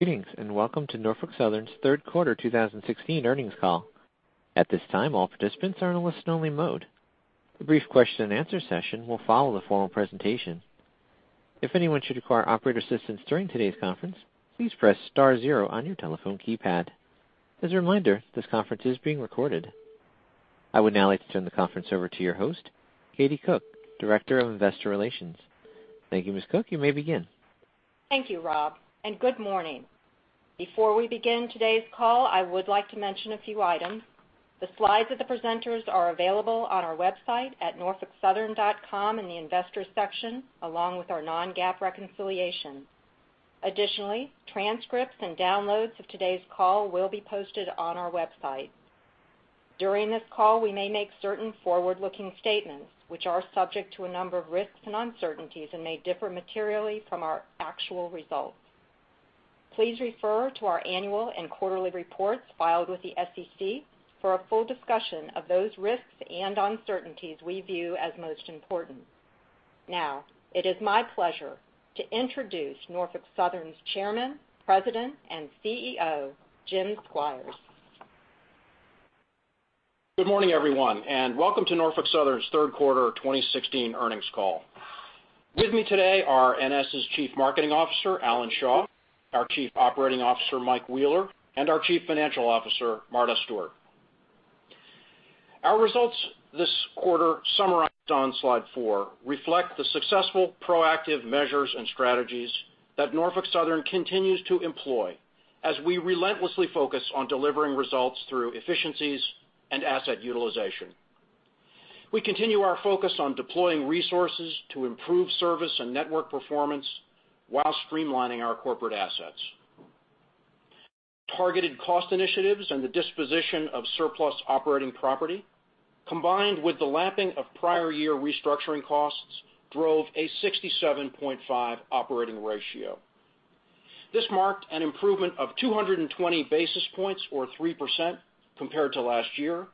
Greetings, welcome to Norfolk Southern's third quarter 2016 earnings call. At this time, all participants are in a listen only mode. A brief question and answer session will follow the formal presentation. If anyone should require operator assistance during today's conference, please press star zero on your telephone keypad. As a reminder, this conference is being recorded. I would now like to turn the conference over to your host, Katie Cook, Director of Investor Relations. Thank you, Ms. Cook. You may begin. Thank you, Rob, and good morning. Before we begin today's call, I would like to mention a few items. The slides of the presenters are available on our website at norfolksouthern.com in the investors section, along with our non-GAAP reconciliation. Additionally, transcripts and downloads of today's call will be posted on our website. During this call, we may make certain forward-looking statements, which are subject to a number of risks and uncertainties and may differ materially from our actual results. Please refer to our annual and quarterly reports filed with the SEC for a full discussion of those risks and uncertainties we view as most important. Now, it is my pleasure to introduce Norfolk Southern's Chairman, President, and CEO, Jim Squires. Good morning, everyone, welcome to Norfolk Southern's third quarter 2016 earnings call. With me today are NS's Chief Marketing Officer, Alan Shaw, our Chief Operating Officer, Mike Wheeler, and our Chief Financial Officer, Marta Stewart. Our results this quarter, summarized on Slide Four, reflect the successful proactive measures and strategies that Norfolk Southern continues to employ as we relentlessly focus on delivering results through efficiencies and asset utilization. We continue our focus on deploying resources to improve service and network performance while streamlining our corporate assets. Targeted cost initiatives and the disposition of surplus operating property, combined with the lapping of prior year restructuring costs, drove a 67.5 operating ratio. This marked an improvement of 220 basis points or 3% compared to last year,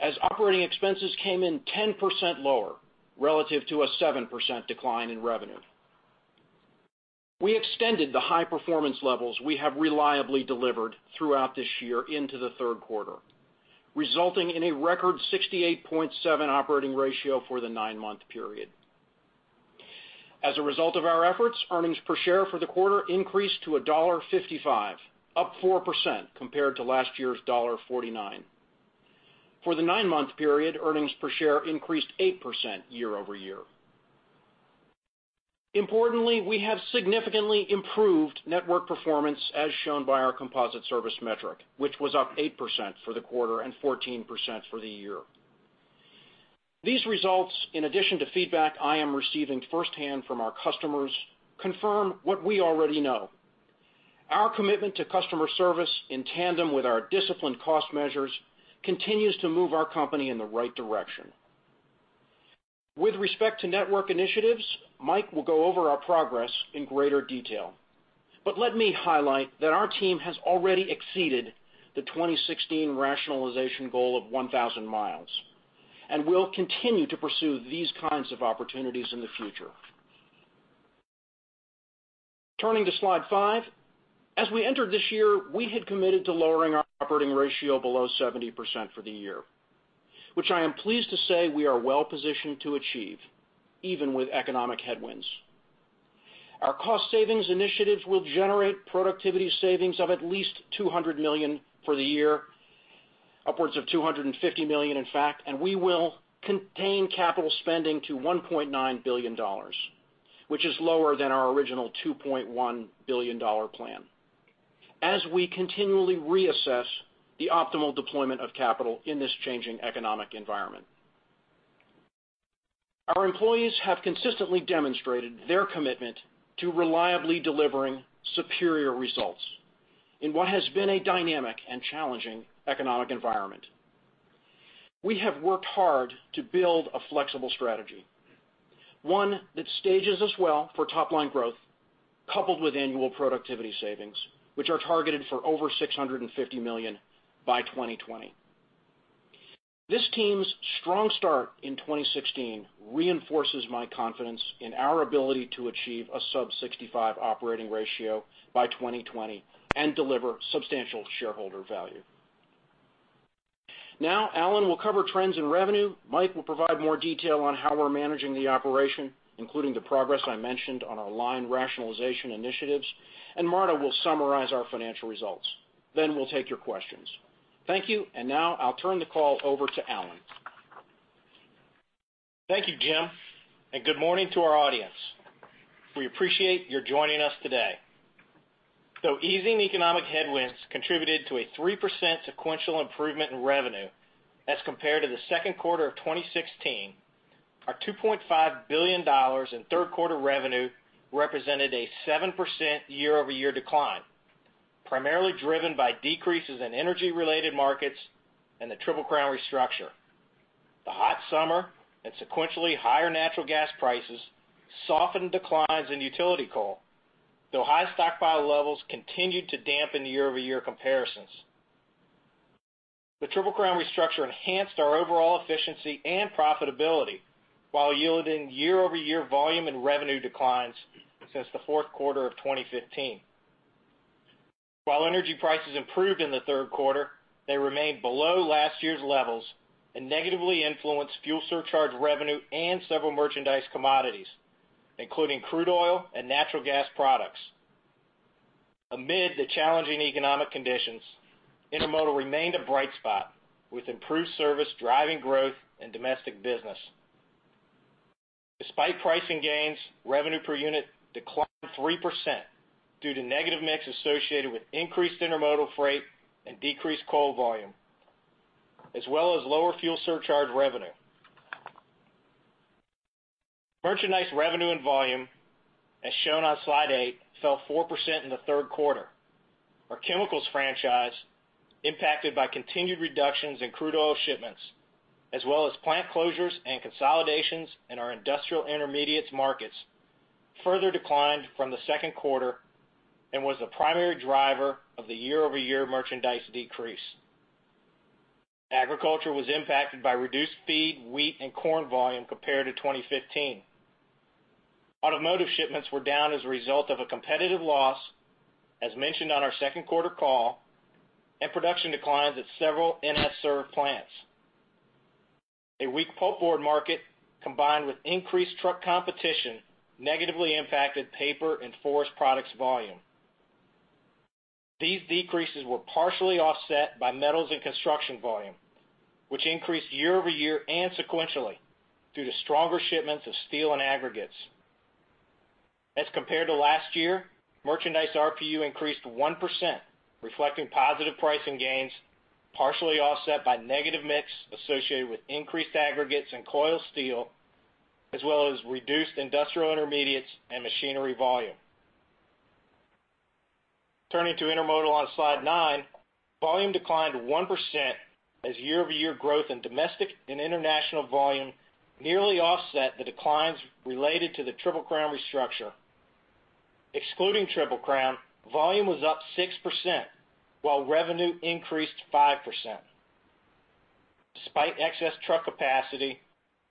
as operating expenses came in 10% lower relative to a 7% decline in revenue. We extended the high-performance levels we have reliably delivered throughout this year into the third quarter, resulting in a record 68.7 operating ratio for the nine-month period. As a result of our efforts, earnings per share for the quarter increased to $1.55, up 4% compared to last year's $1.49. For the nine-month period, earnings per share increased 8% year-over-year. Importantly, we have significantly improved network performance, as shown by our composite service metric, which was up 8% for the quarter and 14% for the year. These results, in addition to feedback I am receiving firsthand from our customers, confirm what we already know. Our commitment to customer service, in tandem with our disciplined cost measures, continues to move our company in the right direction. With respect to network initiatives, Mike will go over our progress in greater detail, but let me highlight that our team has already exceeded the 2016 rationalization goal of 1,000 miles and will continue to pursue these kinds of opportunities in the future. Turning to Slide Five, as we entered this year, we had committed to lowering our operating ratio below 70% for the year, which I am pleased to say we are well-positioned to achieve, even with economic headwinds. Our cost savings initiatives will generate productivity savings of at least $200 million for the year, upwards of $250 million in fact, and we will contain capital spending to $1.9 billion, which is lower than our original $2.1 billion plan as we continually reassess the optimal deployment of capital in this changing economic environment. Our employees have consistently demonstrated their commitment to reliably delivering superior results in what has been a dynamic and challenging economic environment. We have worked hard to build a flexible strategy, one that stages us well for top-line growth, coupled with annual productivity savings, which are targeted for over $650 million by 2020. This team's strong start in 2016 reinforces my confidence in our ability to achieve a sub 65 operating ratio by 2020 and deliver substantial shareholder value. Alan will cover trends in revenue, Mike will provide more detail on how we're managing the operation, including the progress I mentioned on our line rationalization initiatives, and Marta will summarize our financial results. We'll take your questions. Thank you, and now I'll turn the call over to Alan. Thank you, Jim, and good morning to our audience. We appreciate your joining us today. Though easing economic headwinds contributed to a 3% sequential improvement in revenue as compared to the second quarter of 2016, our $2.5 billion in third quarter revenue represented a 7% year-over-year decline, primarily driven by decreases in energy-related markets and the Triple Crown restructure. The hot summer and sequentially higher natural gas prices softened declines in utility coal, though high stockpile levels continued to dampen the year-over-year comparisons. The Triple Crown restructure enhanced our overall efficiency and profitability while yielding year-over-year volume and revenue declines since the fourth quarter of 2015. While energy prices improved in the third quarter, they remained below last year's levels and negatively influenced fuel surcharge revenue and several merchandise commodities, including crude oil and natural gas products. Amid the challenging economic conditions, intermodal remained a bright spot, with improved service driving growth in domestic business. Despite pricing gains, revenue per unit declined 3% due to negative mix associated with increased intermodal freight and decreased coal volume, as well as lower fuel surcharge revenue. Merchandise revenue and volume, as shown on slide eight, fell 4% in the third quarter. Our chemicals franchise, impacted by continued reductions in crude oil shipments, as well as plant closures and consolidations in our industrial intermediates markets, further declined from the second quarter and was the primary driver of the year-over-year merchandise decrease. Agriculture was impacted by reduced feed, wheat, and corn volume compared to 2015. Automotive shipments were down as a result of a competitive loss, as mentioned on our second quarter call, and production declines at several NS served plants. A weak pulpboard market, combined with increased truck competition, negatively impacted paper and forest products volume. These decreases were partially offset by metals and construction volume, which increased year-over-year and sequentially due to stronger shipments of steel and aggregates. As compared to last year, merchandise RPU increased 1%, reflecting positive pricing gains, partially offset by negative mix associated with increased aggregates and coiled steel, as well as reduced industrial intermediates and machinery volume. Turning to intermodal on slide nine, volume declined 1% as year-over-year growth in domestic and international volume nearly offset the declines related to the Triple Crown restructure. Excluding Triple Crown, volume was up 6%, while revenue increased 5%. Despite excess truck capacity,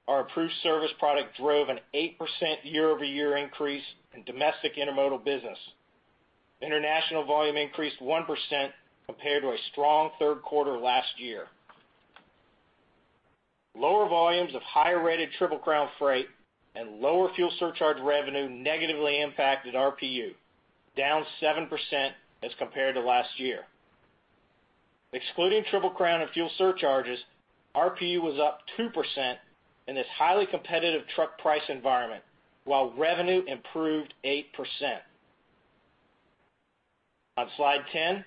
our improved service product drove an 8% year-over-year increase in domestic intermodal business. International volume increased 1% compared to a strong third quarter last year. Lower volumes of higher-rated Triple Crown freight and lower fuel surcharge revenue negatively impacted RPU, down 7% as compared to last year. Excluding Triple Crown and fuel surcharges, RPU was up 2% in this highly competitive truck price environment, while revenue improved 8%. On slide 10,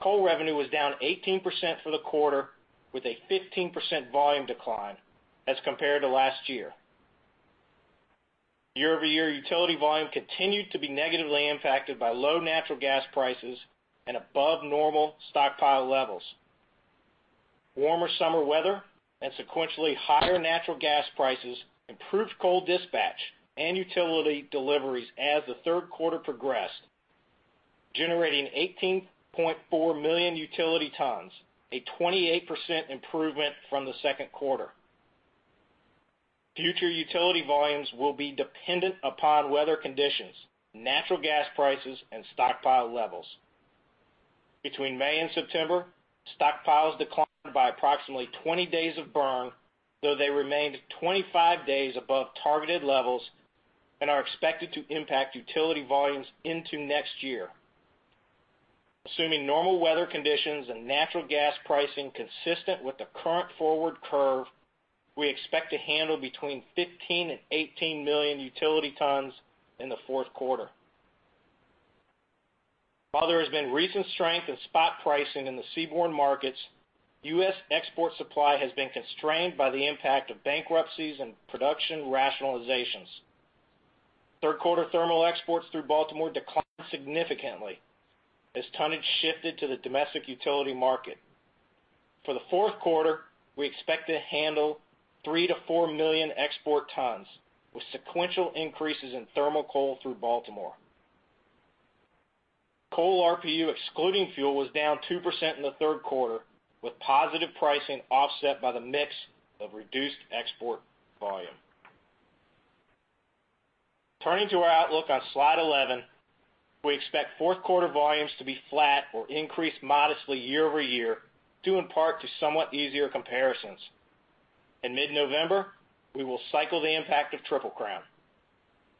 coal revenue was down 18% for the quarter with a 15% volume decline as compared to last year. Year-over-year utility volume continued to be negatively impacted by low natural gas prices and above normal stockpile levels. Warmer summer weather and sequentially higher natural gas prices improved coal dispatch and utility deliveries as the third quarter progressed, generating 18.4 million utility tons, a 28% improvement from the second quarter. Future utility volumes will be dependent upon weather conditions, natural gas prices, and stockpile levels. Between May and September, stockpiles declined by approximately 20 days of burn, though they remained 25 days above targeted levels and are expected to impact utility volumes into next year. Assuming normal weather conditions and natural gas pricing consistent with the current forward curve, we expect to handle between 15 million and 18 million utility tons in the fourth quarter. While there has been recent strength in spot pricing in the seaborne markets, U.S. export supply has been constrained by the impact of bankruptcies and production rationalizations. Third-quarter thermal exports through Baltimore declined significantly as tonnage shifted to the domestic utility market. For the fourth quarter, we expect to handle 3 million-4 million export tons with sequential increases in thermal coal through Baltimore. Coal RPU, excluding fuel, was down 2% in the third quarter, with positive pricing offset by the mix of reduced export volume. Turning to our outlook on slide 11, we expect fourth quarter volumes to be flat or increase modestly year-over-year, due in part to somewhat easier comparisons. In mid-November, we will cycle the impact of Triple Crown.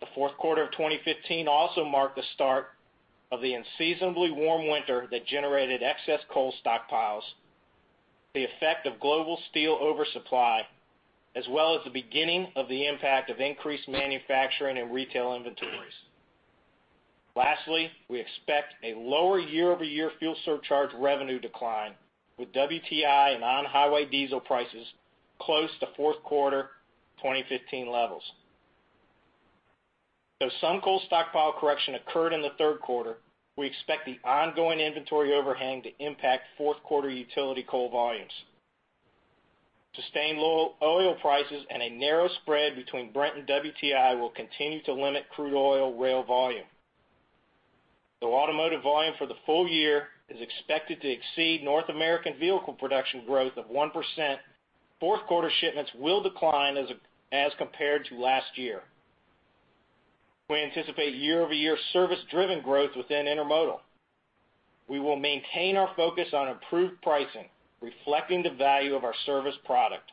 The fourth quarter of 2015 also marked the start of the unseasonably warm winter that generated excess coal stockpiles, the effect of global steel oversupply, as well as the beginning of the impact of increased manufacturing and retail inventories. Lastly, we expect a lower year-over-year fuel surcharge revenue decline with WTI and on-highway diesel prices close to fourth quarter 2015 levels. Though some coal stockpile correction occurred in the third quarter, we expect the ongoing inventory overhang to impact fourth quarter utility coal volumes. Sustained low oil prices and a narrow spread between Brent and WTI will continue to limit crude oil rail volume. Though automotive volume for the full year is expected to exceed North American vehicle production growth of 1%, fourth quarter shipments will decline as compared to last year. We anticipate year-over-year service-driven growth within intermodal. We will maintain our focus on improved pricing, reflecting the value of our service product.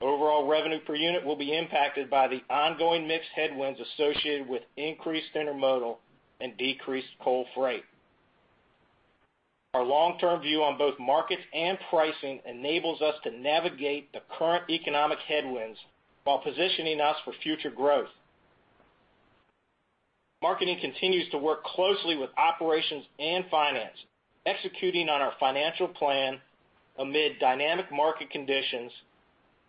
Overall revenue per unit will be impacted by the ongoing mixed headwinds associated with increased intermodal and decreased coal freight. Our long-term view on both markets and pricing enables us to navigate the current economic headwinds while positioning us for future growth. Marketing continues to work closely with operations and finance, executing on our financial plan amid dynamic market conditions,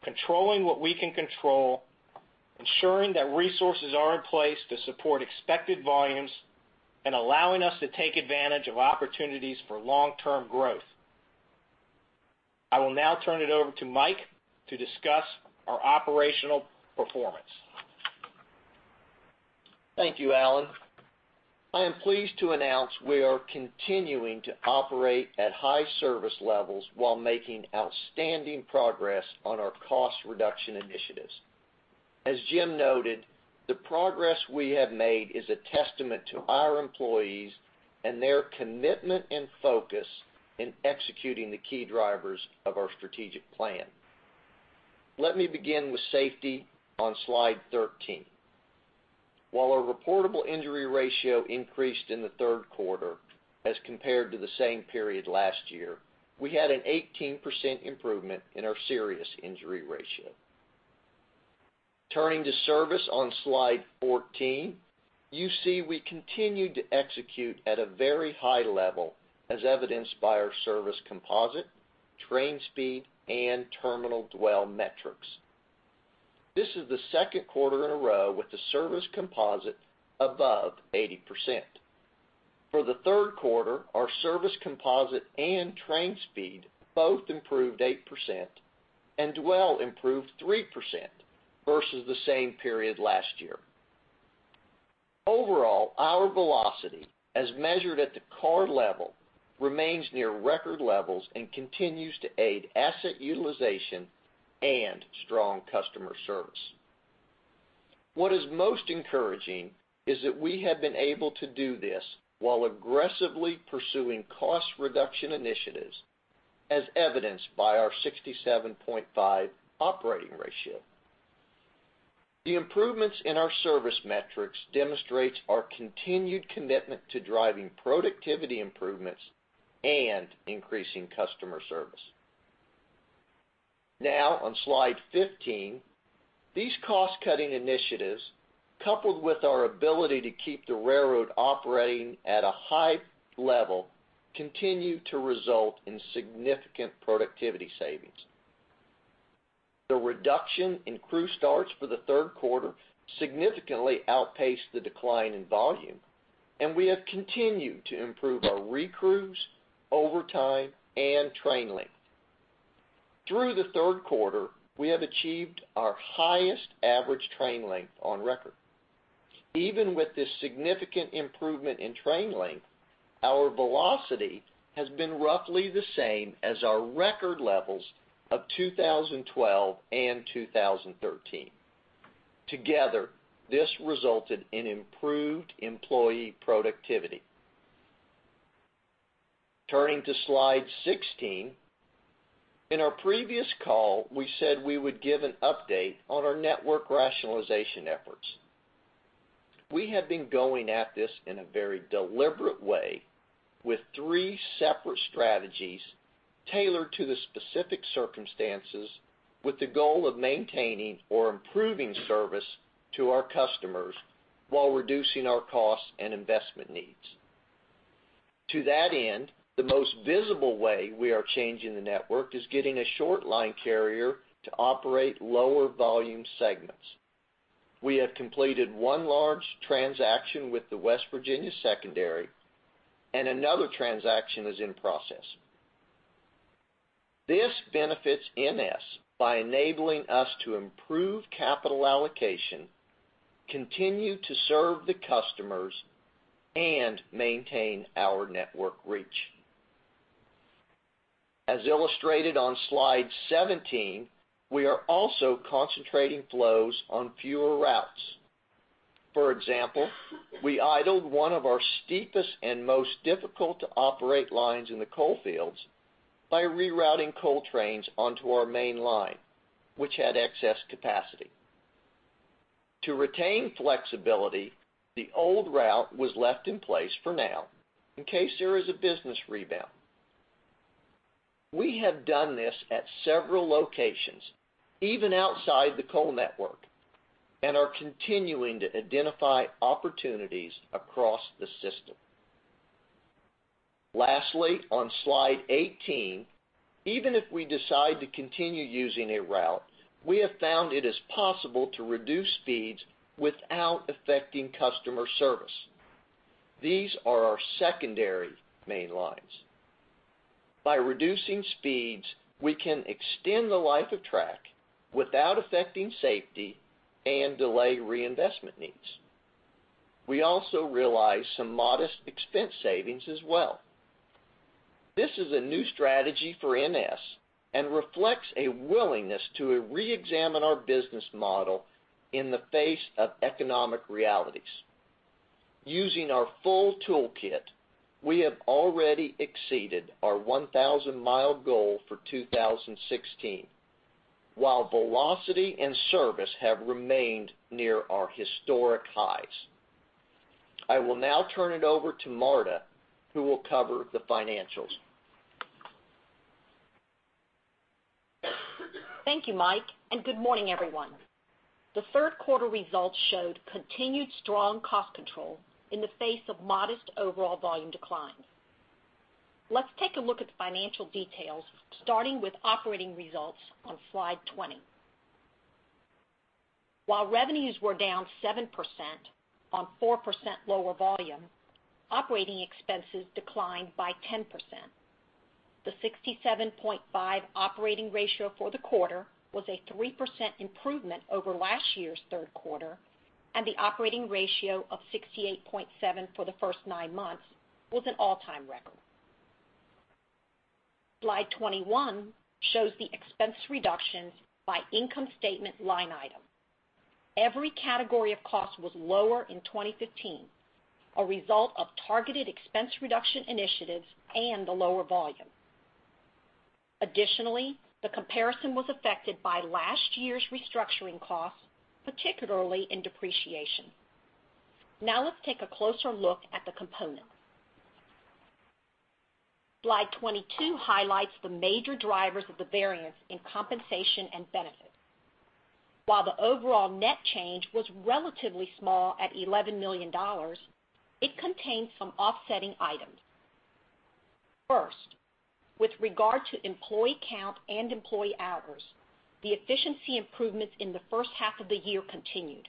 controlling what we can control, ensuring that resources are in place to support expected volumes, and allowing us to take advantage of opportunities for long-term growth. I will now turn it over to Mike to discuss our operational performance. Thank you, Alan. I am pleased to announce we are continuing to operate at high service levels while making outstanding progress on our cost reduction initiatives. As Jim noted, the progress we have made is a testament to our employees and their commitment and focus in executing the key drivers of our strategic plan. Let me begin with safety on slide 13. While our reportable injury ratio increased in the third quarter as compared to the same period last year, we had an 18% improvement in our serious injury ratio. Turning to service on slide 14, you see we continued to execute at a very high level as evidenced by our service composite, train speed, and terminal dwell metrics. This is the second quarter in a row with the service composite above 80%. For the third quarter, our service composite and train speed both improved 8%, and dwell improved 3% versus the same period last year. Overall, our velocity, as measured at the car level, remains near record levels and continues to aid asset utilization and strong customer service. What is most encouraging is that we have been able to do this while aggressively pursuing cost reduction initiatives, as evidenced by our 67.5 operating ratio. The improvements in our service metrics demonstrates our continued commitment to driving productivity improvements and increasing customer service. Now on slide 15, these cost-cutting initiatives, coupled with our ability to keep the railroad operating at a high level, continue to result in significant productivity savings. The reduction in crew starts for the third quarter significantly outpaced the decline in volume, we have continued to improve our recrews, overtime, and train length. Through the third quarter, we have achieved our highest average train length on record. Even with this significant improvement in train length, our velocity has been roughly the same as our record levels of 2012 and 2013. Together, this resulted in improved employee productivity. Turning to slide 16, in our previous call, we said we would give an update on our network rationalization efforts. We have been going at this in a very deliberate way with three separate strategies tailored to the specific circumstances with the goal of maintaining or improving service to our customers while reducing our costs and investment needs. To that end, the most visible way we are changing the network is getting a short line carrier to operate lower volume segments. We have completed one large transaction with the West Virginia Secondary, another transaction is in process. This benefits NS by enabling us to improve capital allocation, continue to serve the customers, and maintain our network reach. As illustrated on Slide 17, we are also concentrating flows on fewer routes. For example, we idled one of our steepest and most difficult to operate lines in the coal fields by rerouting coal trains onto our main line, which had excess capacity. To retain flexibility, the old route was left in place for now in case there is a business rebound. We have done this at several locations, even outside the coal network, and are continuing to identify opportunities across the system. Lastly, on Slide 18, even if we decide to continue using a route, we have found it is possible to reduce speeds without affecting customer service. These are our secondary main lines. By reducing speeds, we can extend the life of track without affecting safety and delay reinvestment needs. We also realize some modest expense savings as well. This is a new strategy for NS and reflects a willingness to reexamine our business model in the face of economic realities. Using our full toolkit, we have already exceeded our 1,000-mile goal for 2016, while velocity and service have remained near our historic highs. I will now turn it over to Marta, who will cover the financials. Thank you, Mike, and good morning, everyone. The third quarter results showed continued strong cost control in the face of modest overall volume declines. Let's take a look at the financial details, starting with operating results on Slide 20. While revenues were down 7% on 4% lower volume, operating expenses declined by 10%. The 67.5 operating ratio for the quarter was a 3% improvement over last year's third quarter, and the operating ratio of 68.7 for the first nine months was an all-time record. Slide 21 shows the expense reductions by income statement line item. Every category of cost was lower in 2015, a result of targeted expense reduction initiatives and the lower volume. Additionally, the comparison was affected by last year's restructuring costs, particularly in depreciation. Now let's take a closer look at the components. Slide 22 highlights the major drivers of the variance in compensation and benefits. While the overall net change was relatively small at $11 million, it contained some offsetting items. First, with regard to employee count and employee hours, the efficiency improvements in the first half of the year continued,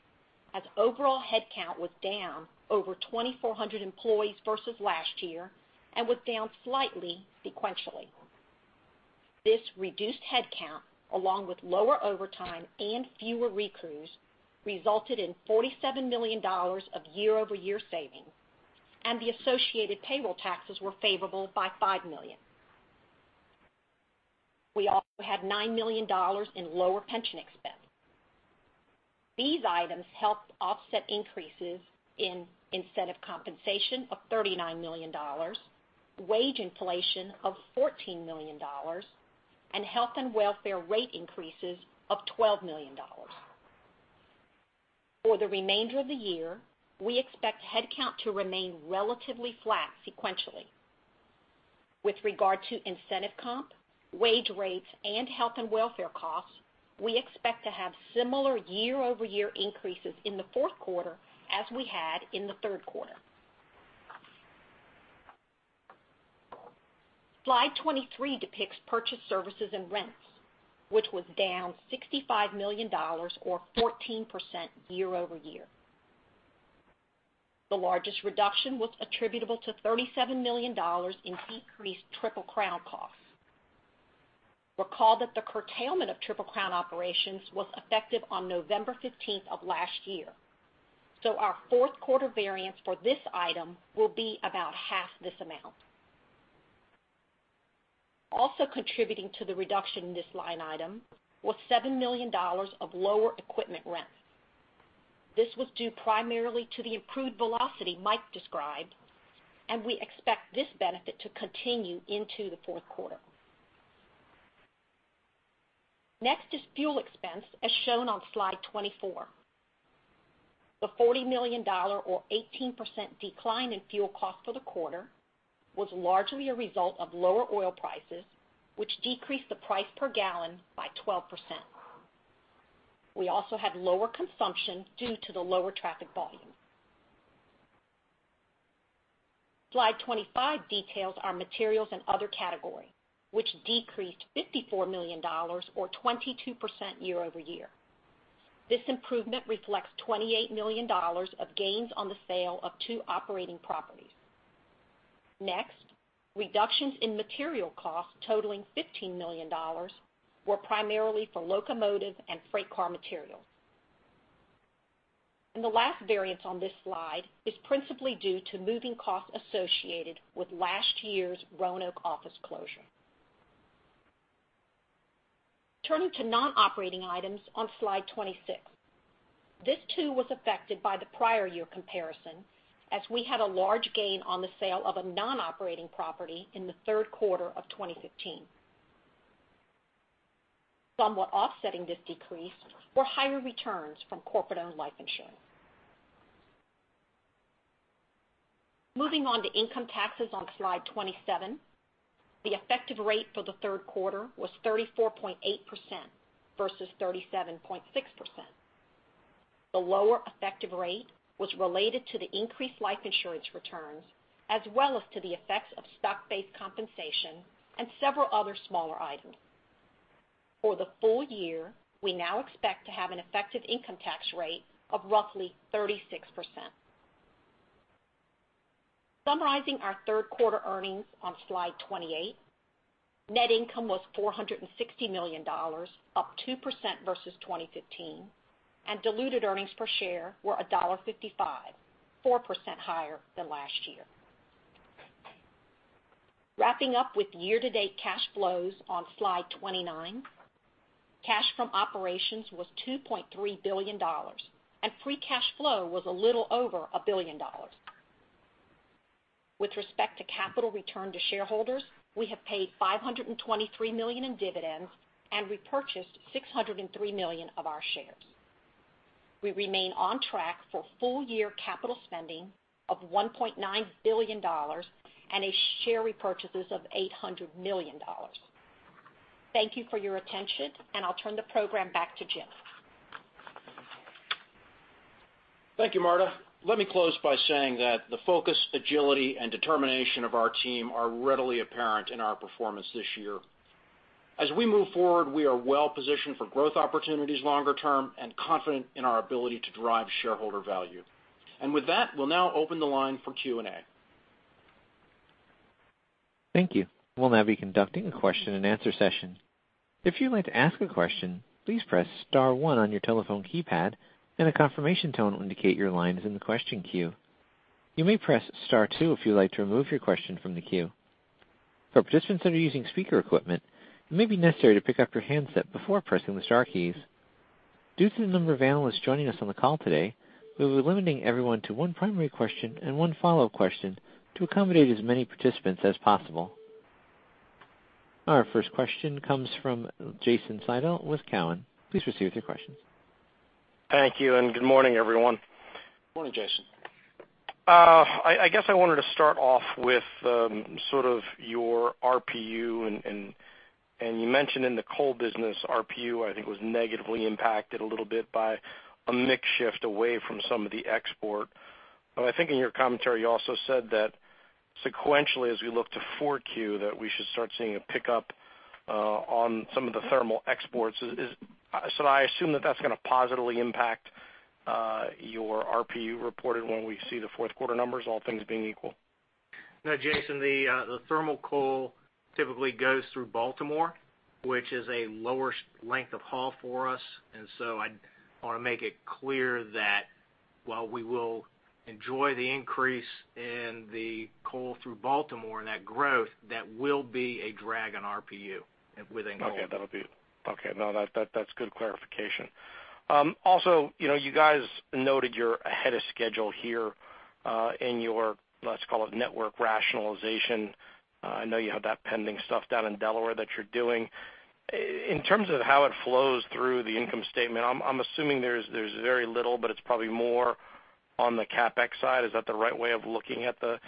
as overall headcount was down over 2,400 employees versus last year and was down slightly sequentially. This reduced headcount, along with lower overtime and fewer recrews, resulted in $47 million of year-over-year savings, and the associated payroll taxes were favorable by $5 million. We also had $9 million in lower pension expense. These items helped offset increases in incentive compensation of $39 million, wage inflation of $14 million, and health and welfare rate increases of $12 million. For the remainder of the year, we expect headcount to remain relatively flat sequentially. With regard to incentive comp, wage rates, and health and welfare costs, we expect to have similar year-over-year increases in the fourth quarter as we had in the third quarter. Slide 23 depicts purchased services and rents, which was down $65 million or 14% year-over-year. The largest reduction was attributable to $37 million in decreased Triple Crown costs. Recall that the curtailment of Triple Crown operations was effective on November 15th of last year. Our fourth-quarter variance for this item will be about half this amount. Also contributing to the reduction in this line item was $7 million of lower equipment rents. This was due primarily to the improved velocity Mike described, and we expect this benefit to continue into the fourth quarter. Next is fuel expense, as shown on slide 24. The $40 million or 18% decline in fuel cost for the quarter was largely a result of lower oil prices, which decreased the price per gallon by 12%. We also had lower consumption due to the lower traffic volume. Slide 25 details our materials and other category, which decreased $54 million or 22% year-over-year. This improvement reflects $28 million of gains on the sale of two operating properties. Next, reductions in material costs totaling $15 million were primarily for locomotive and freight car materials. The last variance on this slide is principally due to moving costs associated with last year's Roanoke office closure. Turning to non-operating items on slide 26. This, too, was affected by the prior year comparison, as we had a large gain on the sale of a non-operating property in the third quarter of 2015. Somewhat offsetting this decrease were higher returns from corporate-owned life insurance. Moving on to income taxes on slide 27. The effective rate for the third quarter was 34.8% versus 37.6%. The lower effective rate was related to the increased life insurance returns, as well as to the effects of stock-based compensation and several other smaller items. For the full year, we now expect to have an effective income tax rate of roughly 36%. Summarizing our third quarter earnings on Slide 28, net income was $460 million, up 2% versus 2015, and diluted earnings per share were $1.55, 4% higher than last year. Wrapping up with year-to-date cash flows on Slide 29, cash from operations was $2.3 billion, and free cash flow was a little over a billion dollars. With respect to capital return to shareholders, we have paid $523 million in dividends and repurchased $603 million of our shares. We remain on track for full-year capital spending of $1.9 billion and share repurchases of $800 million. Thank you for your attention, and I'll turn the program back to Jim. Thank you, Marta. Let me close by saying that the focus, agility, and determination of our team are readily apparent in our performance this year. As we move forward, we are well-positioned for growth opportunities longer term and confident in our ability to drive shareholder value. With that, we'll now open the line for Q&A. Thank you. We'll now be conducting a question-and-answer session. If you'd like to ask a question, please press *1 on your telephone keypad, and a confirmation tone will indicate your line is in the question queue. You may press *2 if you'd like to remove your question from the queue. For participants that are using speaker equipment, it may be necessary to pick up your handset before pressing the star keys. Due to the number of analysts joining us on the call today, we will be limiting everyone to one primary question and one follow-up question to accommodate as many participants as possible. Our first question comes from Jason Seidel with Cowen. Please proceed with your questions. Thank you. Good morning, everyone. Morning, Jason. I guess I wanted to start off with sort of your RPU, and you mentioned in the coal business, RPU, I think, was negatively impacted a little bit by a mix shift away from some of the export. I think in your commentary, you also said that sequentially, as we look to 4Q, that we should start seeing a pickup on some of the thermal exports. I assume that that's going to positively impact your RPU reported when we see the fourth quarter numbers, all things being equal. No, Jason, the thermal coal typically goes through Baltimore, which is a lower length of haul for us. I want to make it clear that while we will enjoy the increase in the coal through Baltimore and that growth, that will be a drag on RPU within coal. Okay, that's good clarification. Also, you guys noted you're ahead of schedule here in your, let's call it network rationalization. I know you have that pending stuff down in Delaware that you're doing. In terms of how it flows through the income statement, I'm assuming there's very little, but it's probably more on the CapEx side. Is that the right way of looking at the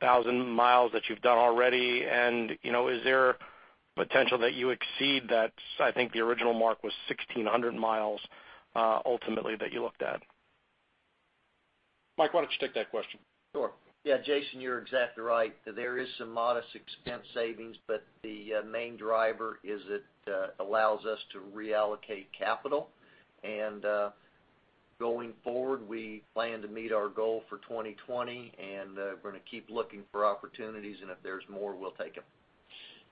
1,000 miles that you've done already? Is there potential that you exceed that, I think the original mark was 1,600 miles ultimately that you looked at. Mike, why don't you take that question? Sure. Jason, you're exactly right. There is some modest expense savings, but the main driver is it allows us to reallocate capital. Going forward, we plan to meet our goal for 2020, and we're going to keep looking for opportunities, and if there's more, we'll take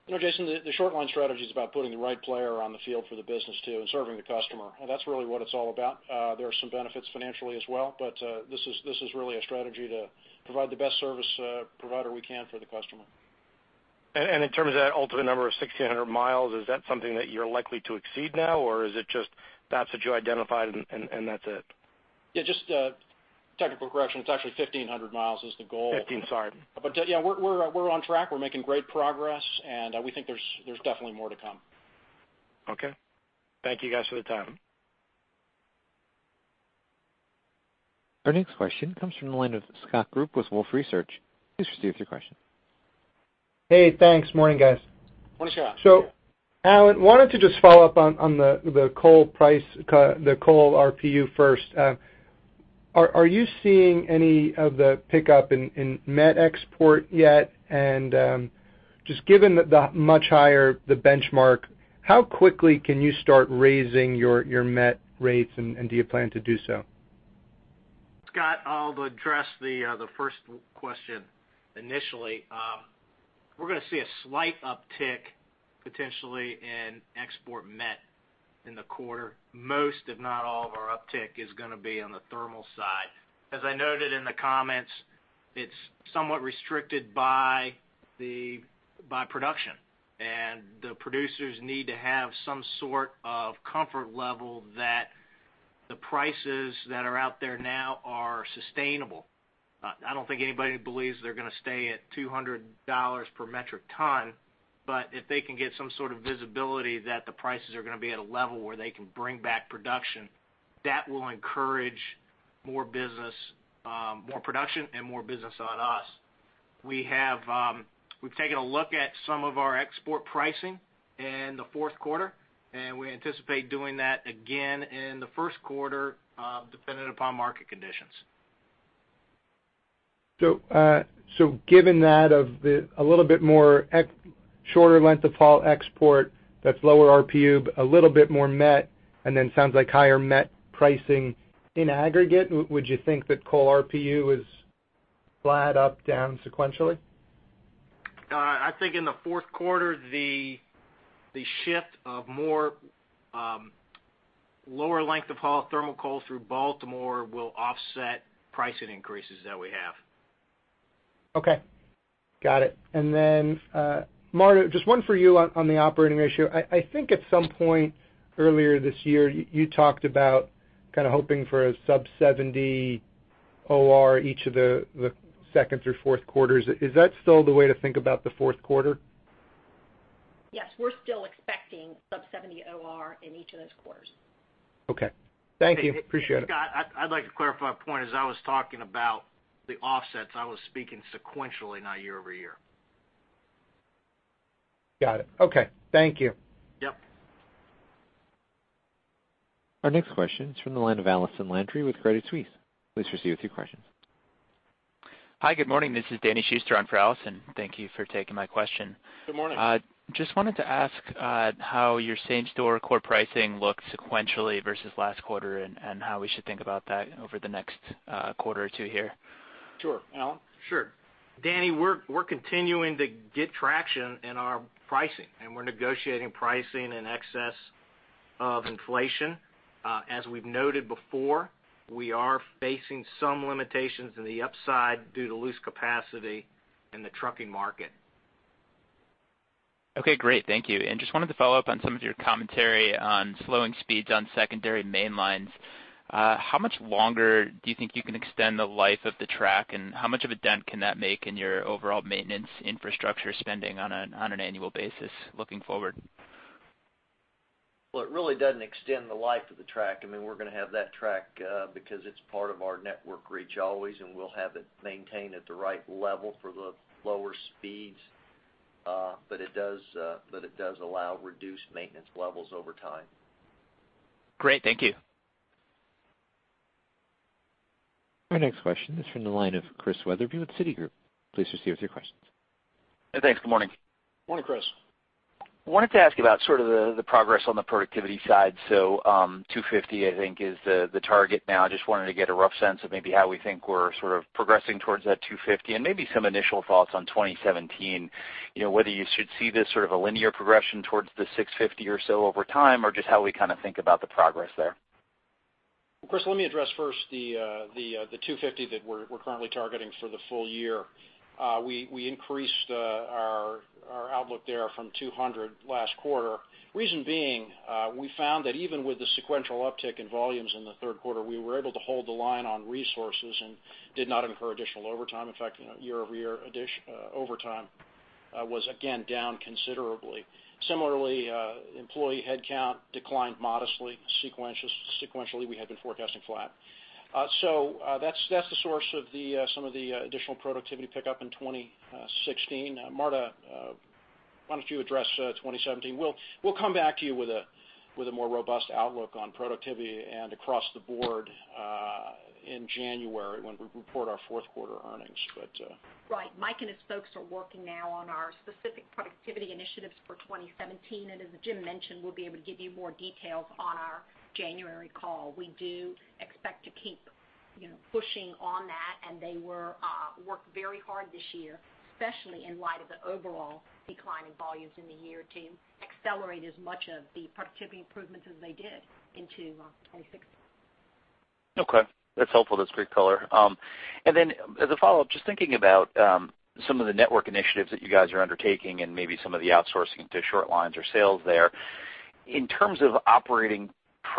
them. Jason, the short line strategy is about putting the right player on the field for the business too and serving the customer. That's really what it's all about. There are some benefits financially as well, but this is really a strategy to provide the best service provider we can for the customer. In terms of that ultimate number of 1,600 miles, is that something that you're likely to exceed now, or is it just that's what you identified, and that's it? Yeah, just a technical correction. It's actually 1,500 miles is the goal. 15. sorry. Yeah, we're on track. We're making great progress, and we think there's definitely more to come. Okay. Thank you guys for the time. Our next question comes from the line of Scott Group with Wolfe Research. Please proceed with your question. Hey, thanks. Morning, guys. Morning, Scott. Alan, I wanted to just follow up on the coal RPU first. Are you seeing any of the pickup in met export yet? Just given the much higher the benchmark, how quickly can you start raising your met rates, and do you plan to do so? Scott, I'll address the first question initially. We're going to see a slight uptick, potentially, in export met in the quarter. Most, if not all of our uptick is going to be on the thermal side. As I noted in the comments, it's somewhat restricted by production, and the producers need to have some sort of comfort level that the prices that are out there now are sustainable. I don't think anybody believes they're going to stay at $200 per metric ton, but if they can get some sort of visibility that the prices are going to be at a level where they can bring back production, that will encourage more production and more business on us. We've taken a look at some of our export pricing in the fourth quarter, and we anticipate doing that again in the first quarter dependent upon market conditions. Given that a little bit more shorter length-of-haul export, that's lower RPU, a little bit more met, and then sounds like higher met pricing in aggregate, would you think that coal RPU is flat up, down sequentially? I think in the fourth quarter, the shift of more lower length-of-haul thermal coal through Baltimore will offset pricing increases that we have. Okay. Got it. Then, Marta, just one for you on the operating ratio. I think at some point earlier this year, you talked about kind of hoping for a sub 70 OR each of the second through fourth quarters. Is that still the way to think about the fourth quarter? Yes. We're still expecting sub 70 OR in each of those quarters. Okay. Thank you. Appreciate it. Scott, I'd like to clarify a point, as I was talking about the offsets, I was speaking sequentially, not year-over-year. Got it. Okay. Thank you. Yep. Our next question is from the line of Allison Landry with Credit Suisse. Please proceed with your questions. Hi, good morning. This is Danny Schuster on for Allison. Thank you for taking my question. Good morning. Just wanted to ask how your same-store core pricing looked sequentially versus last quarter, and how we should think about that over the next quarter or two here. Sure. Alan? Sure. Danny Schuster, we're continuing to get traction in our pricing, we're negotiating pricing in excess of inflation. As we've noted before, we are facing some limitations in the upside due to loose capacity in the trucking market. Okay, great. Thank you. Just wanted to follow up on some of your commentary on slowing speeds on secondary main lines. How much longer do you think you can extend the life of the track, and how much of a dent can that make in your overall maintenance infrastructure spending on an annual basis looking forward? Well, it really doesn't extend the life of the track. We're going to have that track because it's part of our network reach always, and we'll have it maintained at the right level for the lower speeds. It does allow reduced maintenance levels over time. Great. Thank you. Our next question is from the line of Chris Wetherbee with Citigroup. Please proceed with your questions. Thanks. Good morning. Morning, Chris. Wanted to ask about sort of the progress on the productivity side. 250, I think, is the target now. Just wanted to get a rough sense of maybe how we think we're sort of progressing towards that 250 and maybe some initial thoughts on 2017, whether you should see this sort of a linear progression towards the 650 or so over time, or just how we kind of think about the progress there. Chris, let me address first the 250 that we're currently targeting for the full year. We increased our outlook there from 200 last quarter. Reason being, we found that even with the sequential uptick in volumes in the third quarter, we were able to hold the line on resources and did not incur additional overtime. In fact, year-over-year overtime was again down considerably. Similarly, employee headcount declined modestly sequentially. We had been forecasting flat. That's the source of some of the additional productivity pickup in 2016. Marta, why don't you address 2017? We'll come back to you with a more robust outlook on productivity and across the board in January when we report our fourth quarter earnings, but Right. Mike and his folks are working now on our specific productivity initiatives for 2017. As Jim mentioned, we'll be able to give you more details on our January call. We do expect to keep pushing on that, and they worked very hard this year, especially in light of the overall decline in volumes in the year to accelerate as much of the productivity improvements as they did into 2016. Okay. That's helpful. That's great color. As a follow-up, just thinking about some of the network initiatives that you guys are undertaking and maybe some of the outsourcing to short lines or sales there. In terms of operating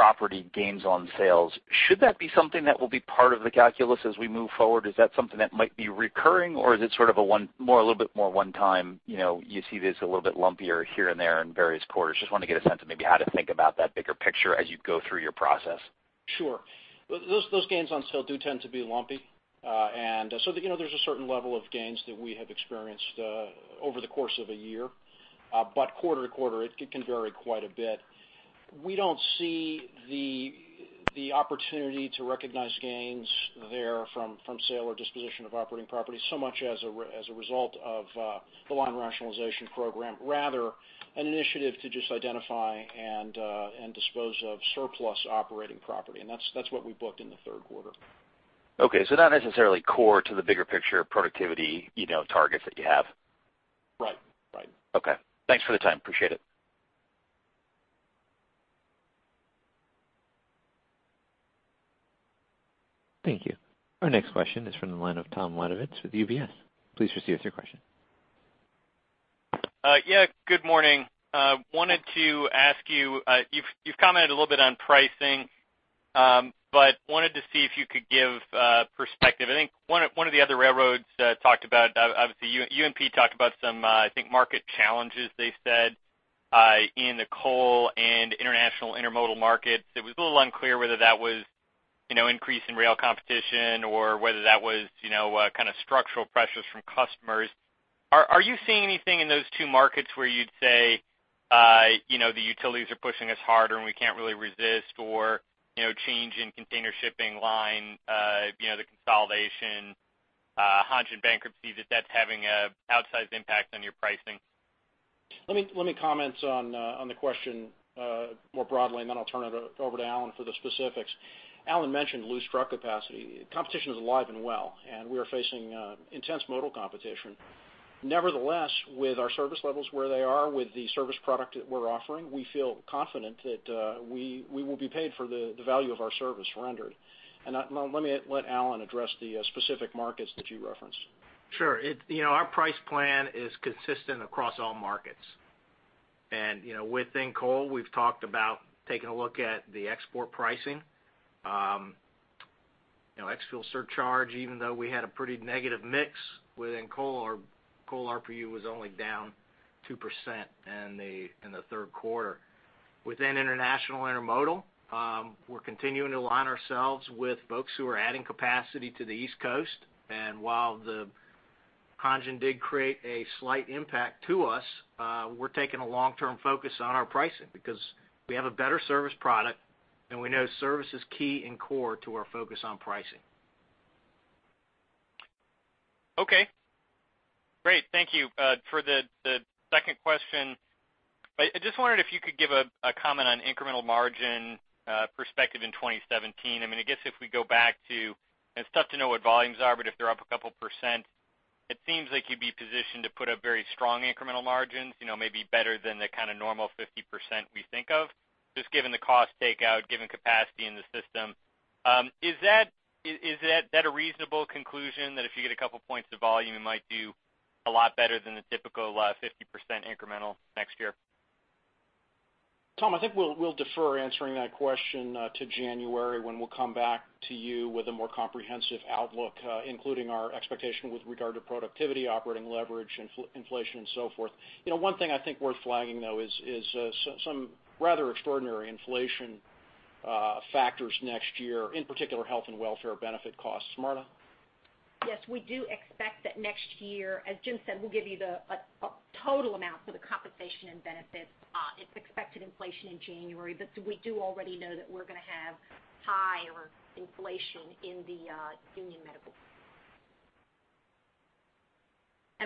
property gains on sales, should that be something that will be part of the calculus as we move forward? Is that something that might be recurring, or is it sort of a little bit more one-time, you see this a little bit lumpier here and there in various quarters? Just want to get a sense of maybe how to think about that bigger picture as you go through your process. Sure. Those gains on sale do tend to be lumpy. There's a certain level of gains that we have experienced over the course of a year. Quarter-to-quarter, it can vary quite a bit. We don't see the opportunity to recognize gains there from sale or disposition of operating property so much as a result of the line rationalization program, rather an initiative to just identify and dispose of surplus operating property. That's what we booked in the third quarter. Okay, not necessarily core to the bigger picture productivity targets that you have. Right. Okay. Thanks for the time. Appreciate it. Thank you. Our next question is from the line of Tom Wadewitz with UBS. Please proceed with your question. Yeah, good morning. Wanted to ask you've commented a little bit on pricing, wanted to see if you could give perspective. I think one of the other railroads talked about, obviously, UNP talked about some, I think, market challenges they said in the coal and international intermodal markets. It was a little unclear whether that was increase in rail competition or whether that was kind of structural pressures from customers? Are you seeing anything in those two markets where you'd say, the utilities are pushing us harder and we can't really resist or change in container shipping line, the consolidation, Hanjin bankruptcy, that's having an outsized impact on your pricing? Let me comment on the question, more broadly, then I'll turn it over to Alan for the specifics. Alan mentioned loose truck capacity. Competition is alive and well, we are facing intense modal competition. Nevertheless, with our service levels where they are with the service product that we're offering, we feel confident that we will be paid for the value of our service rendered. Let me let Alan address the specific markets that you referenced. Sure. Our price plan is consistent across all markets. Within coal, we've talked about taking a look at the export pricing. Ex-fuel surcharge, even though we had a pretty negative mix within coal, our coal RPU was only down 2% in the third quarter. Within international intermodal, we're continuing to align ourselves with folks who are adding capacity to the East Coast. While Hanjin did create a slight impact to us, we're taking a long-term focus on our pricing because we have a better service product, and we know service is key and core to our focus on pricing. Okay, great. Thank you. For the second question, I just wondered if you could give a comment on incremental margin perspective in 2017. I guess if we go back to, it's tough to know what volumes are, but if they're up a couple percent, it seems like you'd be positioned to put up very strong incremental margins, maybe better than the kind of normal 50% we think of, just given the cost takeout, given capacity in the system. Is that a reasonable conclusion that if you get a couple points of volume, it might do a lot better than the typical 50% incremental next year? Tom, I think we'll defer answering that question to January when we'll come back to you with a more comprehensive outlook, including our expectation with regard to productivity, operating leverage, inflation and so forth. One thing I think worth flagging, though, is some rather extraordinary inflation factors next year, in particular, health and welfare benefit costs. Marta? Yes, we do expect that next year, as Jim said, we'll give you the total amount for the compensation and benefits, its expected inflation in January. We do already know that we're going to have higher inflation in the union medical.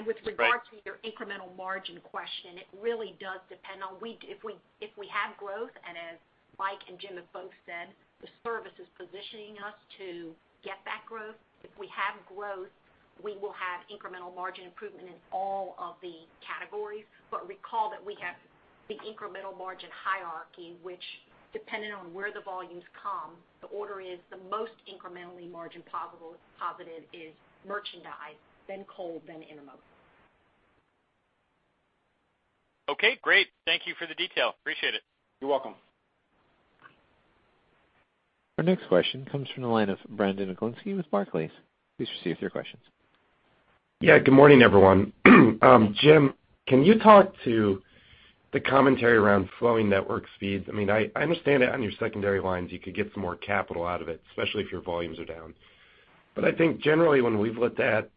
With regard to your incremental margin question, it really does depend on if we have growth, and as Mike and Jim have both said, the service is positioning us to get that growth. If we have growth, we will have incremental margin improvement in all of the categories. Recall that we have the incremental margin hierarchy, which depending on where the volumes come, the order is the most incrementally margin positive is merchandise, then coal, then intermodal. Okay, great. Thank you for the detail. Appreciate it. You're welcome. Our next question comes from the line of Brandon Oglenski with Barclays. Please proceed with your questions. Yeah, good morning, everyone. Jim, can you talk to the commentary around flowing network speeds? I understand that on your secondary lines, you could get some more capital out of it, especially if your volumes are down. I think generally when we've looked at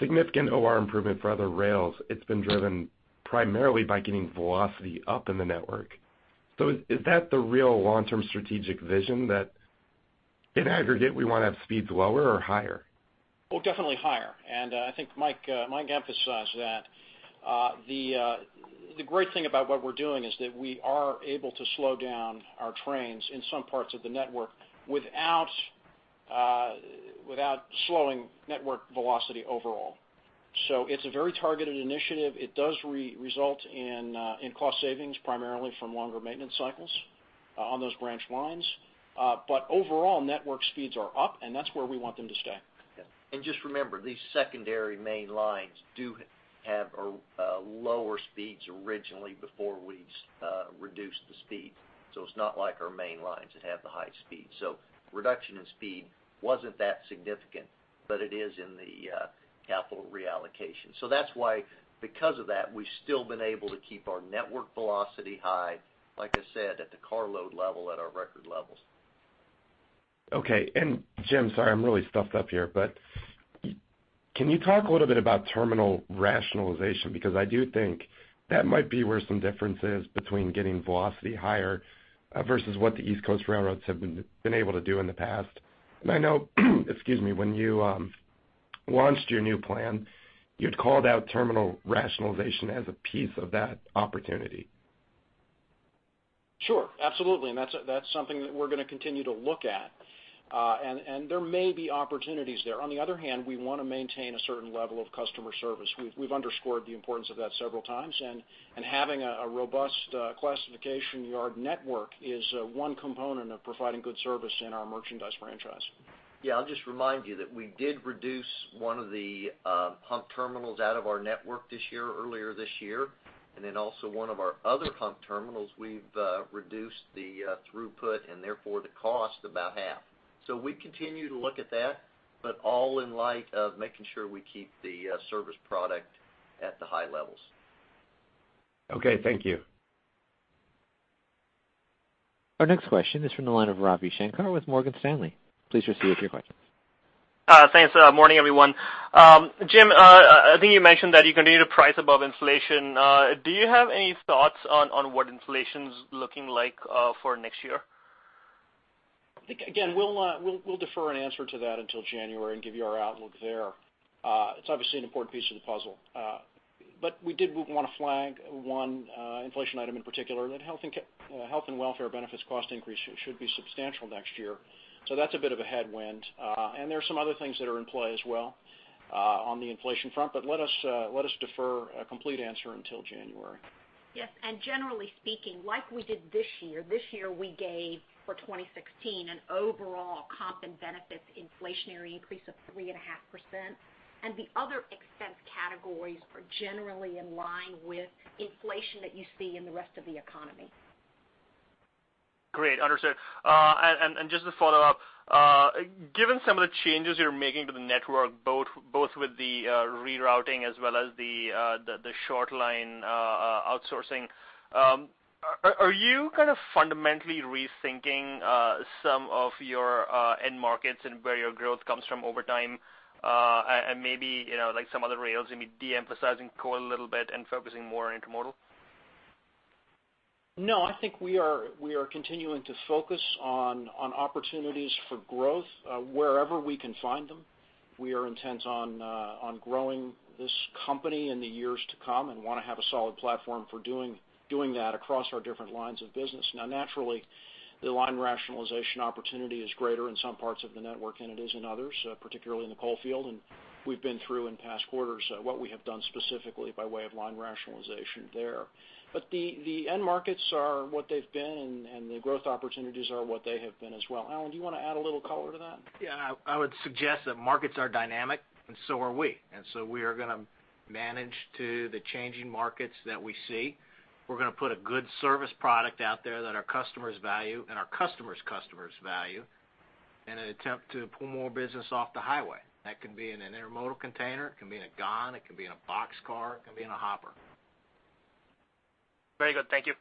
significant OR improvement for other rails, it's been driven primarily by getting velocity up in the network. Is that the real long-term strategic vision that in aggregate, we want to have speeds lower or higher? Oh, definitely higher. I think Mike emphasized that. The great thing about what we're doing is that we are able to slow down our trains in some parts of the network without slowing network velocity overall. It's a very targeted initiative. It does result in cost savings, primarily from longer maintenance cycles on those branch lines. Overall, network speeds are up, and that's where we want them to stay. Just remember, these secondary main lines do have lower speeds originally before we reduced the speed. It's not like our main lines that have the high speed. Reduction in speed wasn't that significant, it is in the capital reallocation. That's why, because of that, we've still been able to keep our network velocity high, like I said, at the car load level, at our record levels. Okay. Jim, sorry, I'm really stuffed up here, can you talk a little bit about terminal rationalization? I do think that might be where some difference is between getting velocity higher versus what the East Coast railroads have been able to do in the past. I know, when you launched your new plan, you had called out terminal rationalization as a piece of that opportunity. Sure, absolutely. That's something that we're going to continue to look at. There may be opportunities there. On the other hand, we want to maintain a certain level of customer service. We've underscored the importance of that several times. Having a robust classification yard network is one component of providing good service in our merchandise franchise. Yeah, I'll just remind you that we did reduce one of the hump terminals out of our network this year, earlier this year. Also one of our other hump terminals, we've reduced the throughput and therefore the cost about half. We continue to look at that, but all in light of making sure we keep the service product at the high levels. Okay, thank you. Our next question is from the line of Ravi Shanker with Morgan Stanley. Please proceed with your questions. Thanks. Morning, everyone. Jim, I think you mentioned that you continue to price above inflation. Do you have any thoughts on what inflation's looking like for next year? I think, again, we'll defer an answer to that until January and give you our outlook there. It's obviously an important piece of the puzzle. We did want to flag one inflation item in particular, that health and welfare benefits cost increase should be substantial next year. That's a bit of a headwind. There are some other things that are in play as well on the inflation front, but let us defer a complete answer until January. Yes. Generally speaking, like we did this year, this year we gave for 2016 an overall comp and benefits inflationary increase of 3.5%, the other expense categories are generally in line with inflation that you see in the rest of the economy. Great, understood. Just to follow up, given some of the changes you're making to the network, both with the rerouting as well as the short line outsourcing, are you kind of fundamentally rethinking some of your end markets and where your growth comes from over time? Maybe, like some other rails, maybe de-emphasizing coal a little bit and focusing more on intermodal? No, I think we are continuing to focus on opportunities for growth wherever we can find them. We are intent on growing this company in the years to come and want to have a solid platform for doing that across our different lines of business. Naturally, the line rationalization opportunity is greater in some parts of the network than it is in others, particularly in the coal field, and we've been through in past quarters what we have done specifically by way of line rationalization there. The end markets are what they've been, and the growth opportunities are what they have been as well. Alan, do you want to add a little color to that? Yeah, I would suggest that markets are dynamic and so are we. We are going to manage to the changing markets that we see. We're going to put a good service product out there that our customers value and our customer's customers value in an attempt to pull more business off the highway. That can be in an intermodal container, it can be in a gon, it can be in a boxcar, it can be in a hopper. Very good. Thank you.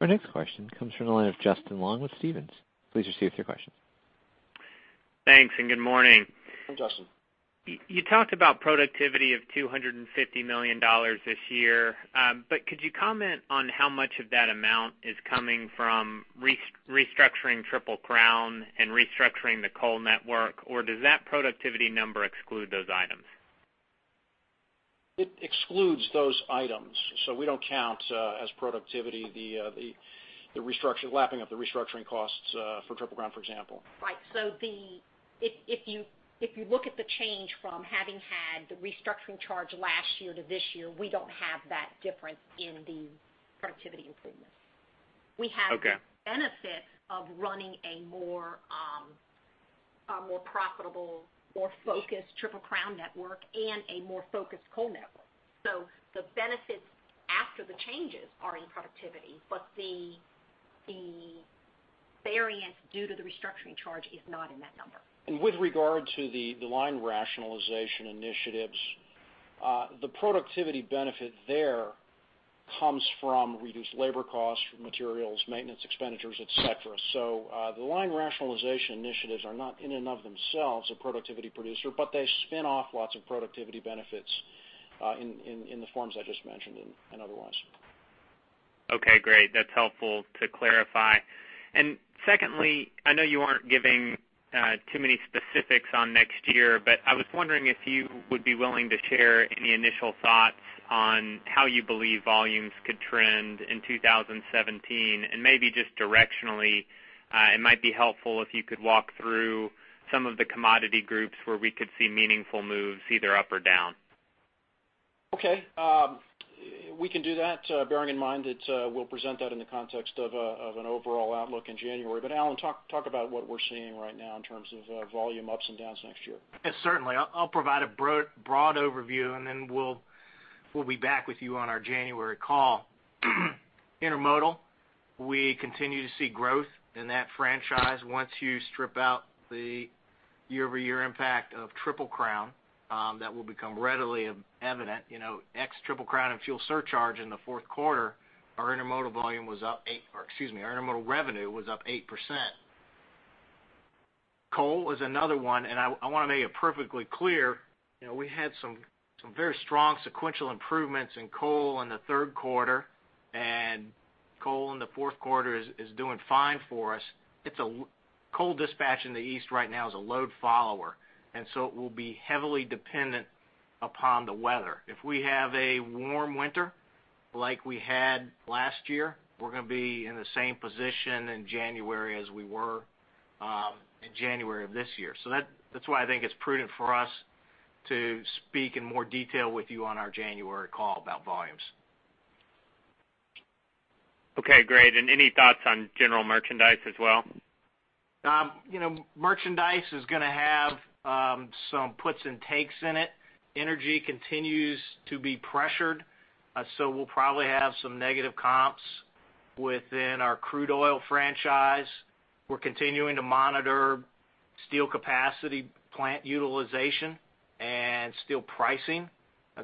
Our next question comes from the line of Justin Long with Stephens. Please receive your question. Thanks, good morning. Hi, Justin. You talked about productivity of $250 million this year. Could you comment on how much of that amount is coming from restructuring Triple Crown and restructuring the coal network? Does that productivity number exclude those items? It excludes those items. We don't count as productivity the lapping of the restructuring costs for Triple Crown, for example. Right. If you look at the change from having had the restructuring charge last year to this year, we don't have that difference in the productivity improvements. Okay. We have the benefit of running a more profitable, more focused Triple Crown network and a more focused coal network. The benefits after the changes are in productivity, but the variance due to the restructuring charge is not in that number. With regard to the line rationalization initiatives, the productivity benefit there comes from reduced labor costs, materials, maintenance expenditures, et cetera. The line rationalization initiatives are not in and of themselves a productivity producer, but they spin off lots of productivity benefits in the forms I just mentioned and otherwise. Okay, great. That's helpful to clarify. Secondly, I know you aren't giving too many specifics on next year, but I was wondering if you would be willing to share any initial thoughts on how you believe volumes could trend in 2017, and maybe just directionally, it might be helpful if you could walk through some of the commodity groups where we could see meaningful moves, either up or down. Okay. We can do that, bearing in mind that we'll present that in the context of an overall outlook in January. Alan, talk about what we're seeing right now in terms of volume ups and downs next year. Yes, certainly. I'll provide a broad overview, then we'll be back with you on our January call. Intermodal, we continue to see growth in that franchise. Once you strip out the year-over-year impact of Triple Crown, that will become readily evident. Ex Triple Crown and fuel surcharge in the fourth quarter, our intermodal revenue was up 8%. Coal was another one. I want to make it perfectly clear, we had some very strong sequential improvements in coal in the third quarter, and coal in the fourth quarter is doing fine for us. Coal dispatch in the East right now is a load follower, so it will be heavily dependent upon the weather. If we have a warm winter like we had last year, we're going to be in the same position in January as we were in January of this year. That's why I think it's prudent for us to speak in more detail with you on our January call about volumes. Okay, great. Any thoughts on general merchandise as well? Merchandise is going to have some puts and takes in it. Energy continues to be pressured, We'll probably have some negative comps within our crude oil franchise. We're continuing to monitor Steel capacity, plant utilization, and steel pricing.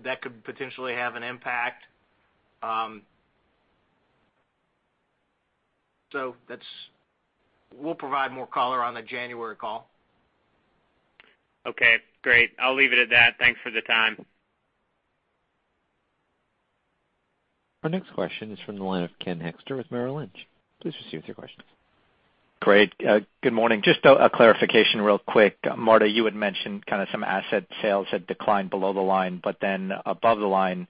That could potentially have an impact. We'll provide more color on the January call. Okay, great. I'll leave it at that. Thanks for the time. Our next question is from the line of Ken Hoexter with Merrill Lynch. Please proceed with your question. Great. Good morning. Just a clarification real quick. Marta, you had mentioned some asset sales had declined below the line, but then above the line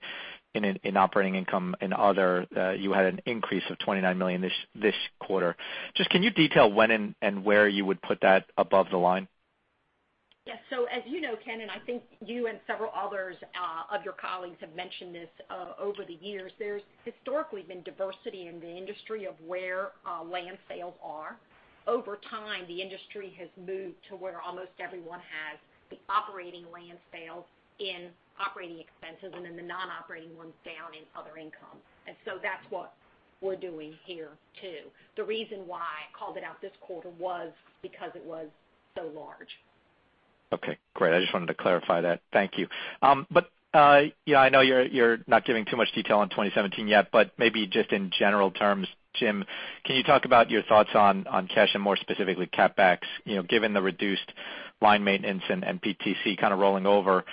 in operating income and other, you had an increase of $29 million this quarter. Just can you detail when and where you would put that above the line? Yes. As you know, Ken, and I think you and several others of your colleagues have mentioned this over the years, there's historically been diversity in the industry of where land sales are. Over time, the industry has moved to where almost everyone has the operating land sales in operating expenses, and then the non-operating ones down in other income. That's what we're doing here, too. The reason why I called it out this quarter was because it was so large. Okay, great. I just wanted to clarify that. Thank you. I know you're not giving too much detail on 2017 yet, but maybe just in general terms, Jim, can you talk about your thoughts on cash and more specifically CapEx? Given the reduced line maintenance and PTC kind of rolling over,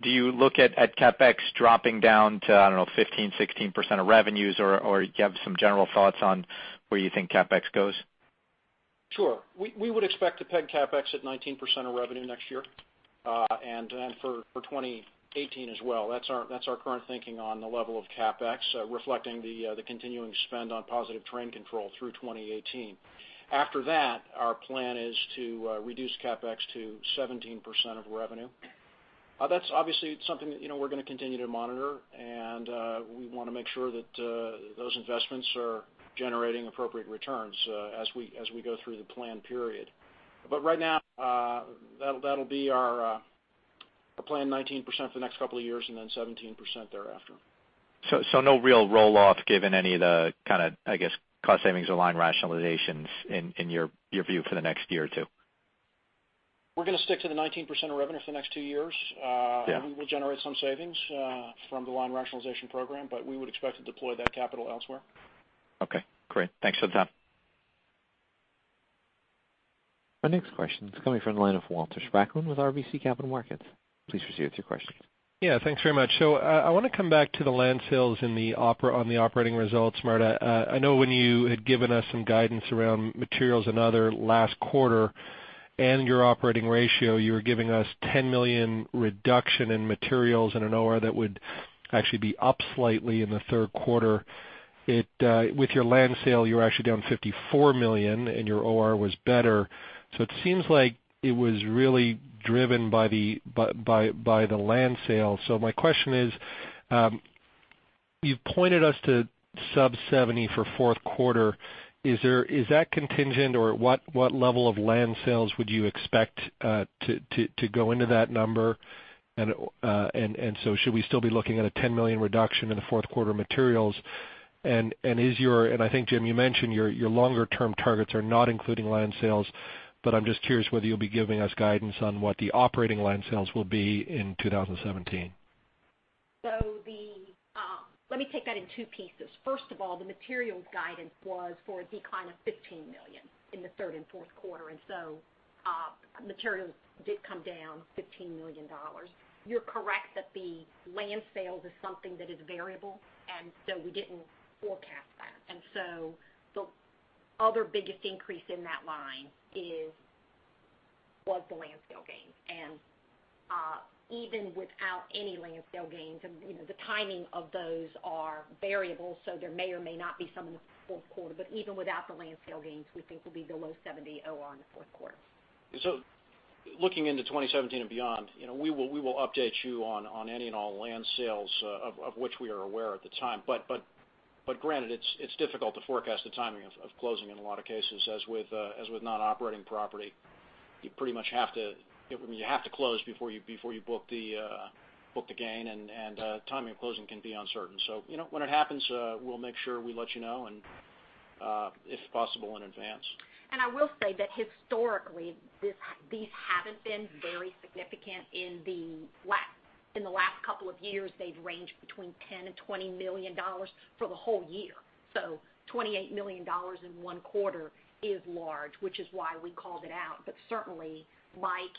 do you look at CapEx dropping down to, I don't know, 15, 16% of revenues, or do you have some general thoughts on where you think CapEx goes? Sure. We would expect to peg CapEx at 19% of revenue next year, and then for 2018 as well. That's our current thinking on the level of CapEx, reflecting the continuing spend on positive train control through 2018. After that, our plan is to reduce CapEx to 17% of revenue. That's obviously something that we're going to continue to monitor, and we want to make sure that those investments are generating appropriate returns as we go through the plan period. Right now, that'll be our plan, 19% for the next couple of years, and then 17% thereafter. No real roll-off given any of the, I guess, cost savings or line rationalizations in your view for the next year or two? We're going to stick to the 19% of revenue for the next two years. Yeah. We will generate some savings from the line rationalization program, but we would expect to deploy that capital elsewhere. Okay, great. Thanks for the time. Our next question is coming from the line of Walter Spracklin with RBC Capital Markets. Please proceed with your question. Yeah. Thanks very much. I want to come back to the land sales on the operating results, Marta. I know when you had given us some guidance around materials and other last quarter and your operating ratio, you were giving us a $10 million reduction in materials and an OR that would actually be up slightly in the third quarter. With your land sale, you were actually down $54 million, and your OR was better. It seems like it was really driven by the land sale. My question is, you've pointed us to sub 70 for fourth quarter. Is that contingent, or what level of land sales would you expect to go into that number? Should we still be looking at a $10 million reduction in the fourth quarter materials? I think, Jim, you mentioned your longer-term targets are not including land sales, but I'm just curious whether you'll be giving us guidance on what the operating land sales will be in 2017. Let me take that in two pieces. First of all, the materials guidance was for a decline of $15 million in the third and fourth quarter. Materials did come down $15 million. You're correct that the land sales is something that is variable. We didn't forecast that. The other biggest increase in that line was the land sale gains. Even without any land sale gains, the timing of those are variable, so there may or may not be some in the fourth quarter. Even without the land sale gains, we think we'll be below 70 OR in the fourth quarter. Looking into 2017 and beyond, we will update you on any and all land sales of which we are aware at the time. Granted, it's difficult to forecast the timing of closing in a lot of cases. As with non-operating property, you have to close before you book the gain, and timing of closing can be uncertain. When it happens, we'll make sure we let you know and if possible in advance. I will say that historically, these haven't been very significant. In the last couple of years, they've ranged between $10 million and $20 million for the whole year. $28 million in one quarter is large, which is why we called it out. Certainly, Mike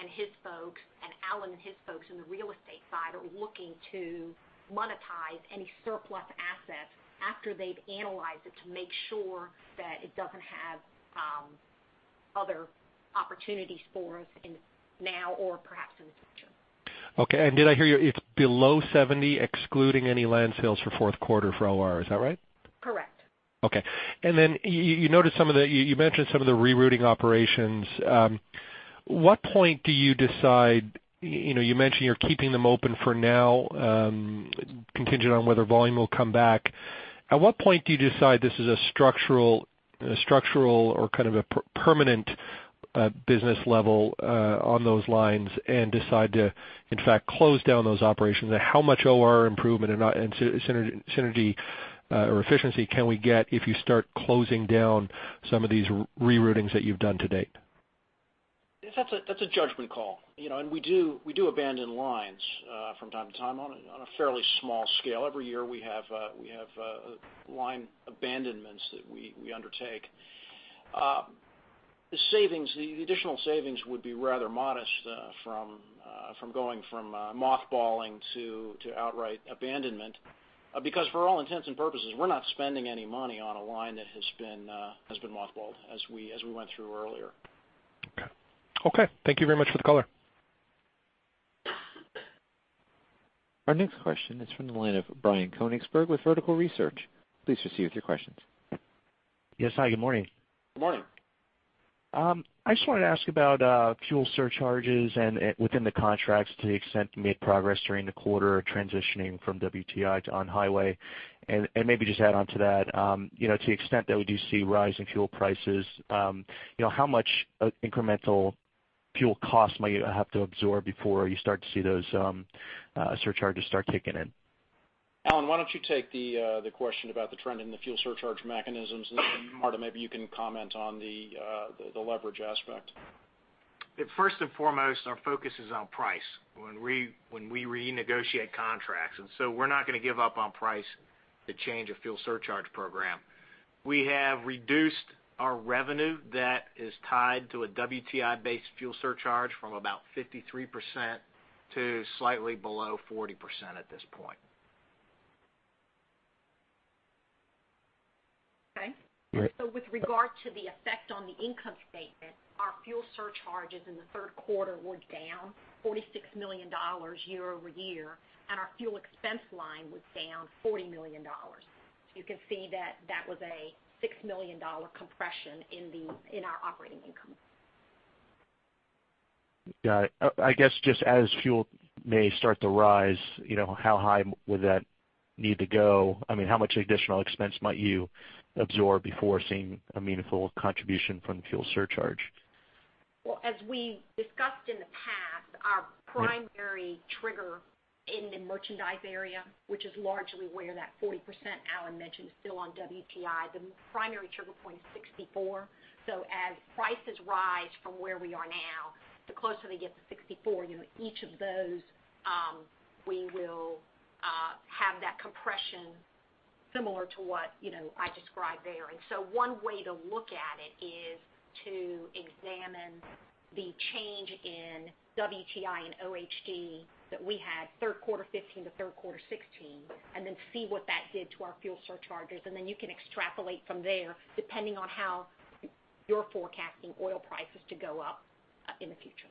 and his folks, and Alan and his folks in the real estate side are looking to monetize any surplus assets after they've analyzed it to make sure that it doesn't have other opportunities for us now or perhaps in the future. Okay. Did I hear you, it's below 70%, excluding any land sales for fourth quarter for OR, is that right? Correct. Okay. Then you mentioned some of the rerouting operations. You mentioned you're keeping them open for now, contingent on whether volume will come back. At what point do you decide this is a structural or kind of a permanent business level on those lines and decide to, in fact, close down those operations? How much OR improvement and synergy or efficiency can we get if you start closing down some of these reroutings that you've done to date? That's a judgment call. We do abandon lines from time to time on a fairly small scale. Every year we have line abandonments that we undertake. The additional savings would be rather modest from going from mothballing to outright abandonment. Because for all intents and purposes, we're not spending any money on a line that has been mothballed as we went through earlier. Okay. Thank you very much for the color. Our next question is from the line of Brian Konigsberg with Vertical Research Partners. Please proceed with your questions. Yes. Hi, good morning. Good morning. I just wanted to ask about fuel surcharges and within the contracts to the extent you made progress during the quarter transitioning from WTI to on-highway, and maybe just add on to that, to the extent that we do see rising fuel prices, how much incremental fuel cost might you have to absorb before you start to see those surcharges start kicking in? Alan, why don't you take the question about the trend in the fuel surcharge mechanisms, and then, Marta, maybe you can comment on the leverage aspect. First and foremost, our focus is on price when we renegotiate contracts, and so we're not going to give up on price to change a fuel surcharge program. We have reduced our revenue that is tied to a WTI-based fuel surcharge from about 53% to slightly below 40% at this point. Okay. With regard to the effect on the income statement, our fuel surcharges in the third quarter were down $46 million year-over-year, and our fuel expense line was down $40 million. You can see that that was a $6 million compression in our operating income. Got it. I guess just as fuel may start to rise, how high would that need to go? How much additional expense might you absorb before seeing a meaningful contribution from the fuel surcharge? Well, as we discussed in the past, our primary trigger in the merchandise area, which is largely where that 40% Alan mentioned is still on WTI, the primary trigger point is 64. As prices rise from where we are now, the closer they get to 64, each of those, we will have that compression similar to what I described there. One way to look at it is to examine the change in WTI and OHD that we had third quarter 2015 to third quarter 2016, and then see what that did to our fuel surcharges, and then you can extrapolate from there, depending on how you're forecasting oil prices to go up in the future.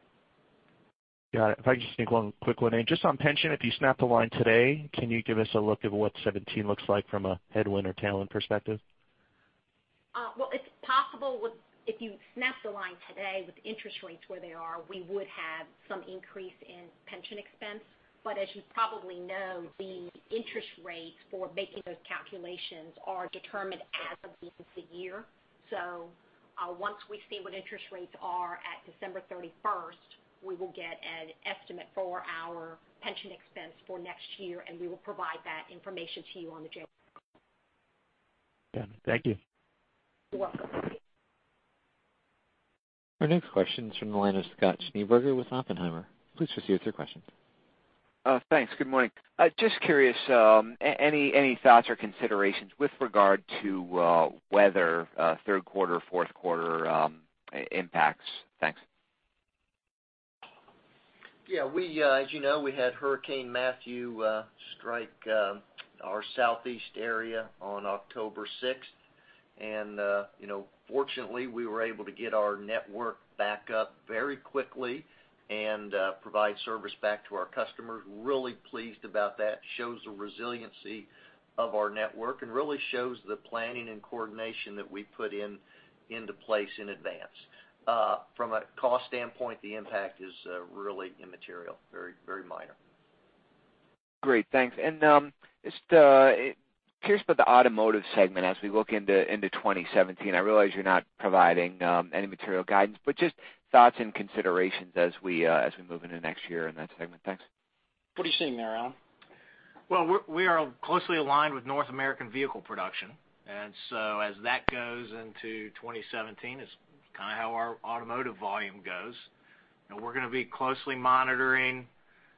Got it. If I can just sneak one quick one in. Just on pension, if you snap the line today, can you give us a look at what 2017 looks like from a headwind or tailwind perspective? It's possible if you snap the line today with interest rates where they are, we would have some increase in pension expense. As you probably know, the interest rates for making those calculations are determined as of the end of the year. Once we see what interest rates are at December 31st, we will get an estimate for our pension expense for next year, and we will provide that information to you on the January call. Got it. Thank you. You're welcome. Our next question is from the line of Scott Schneeberger with Oppenheimer. Please proceed with your questions. Thanks. Good morning. Just curious, any thoughts or considerations with regard to weather third quarter, fourth quarter impacts? Thanks. Yeah. As you know, we had Hurricane Matthew strike our southeast area on October 6th. Fortunately, we were able to get our network back up very quickly and provide service back to our customers. Really pleased about that. Shows the resiliency of our network and really shows the planning and coordination that we put into place in advance. From a cost standpoint, the impact is really immaterial. Very minor. Great. Thanks. Just curious about the automotive segment as we look into 2017. I realize you're not providing any material guidance, but just thoughts and considerations as we move into next year in that segment. Thanks. What are you seeing there, Alan? We are closely aligned with North American vehicle production, as that goes into 2017, is how our automotive volume goes. We're going to be closely monitoring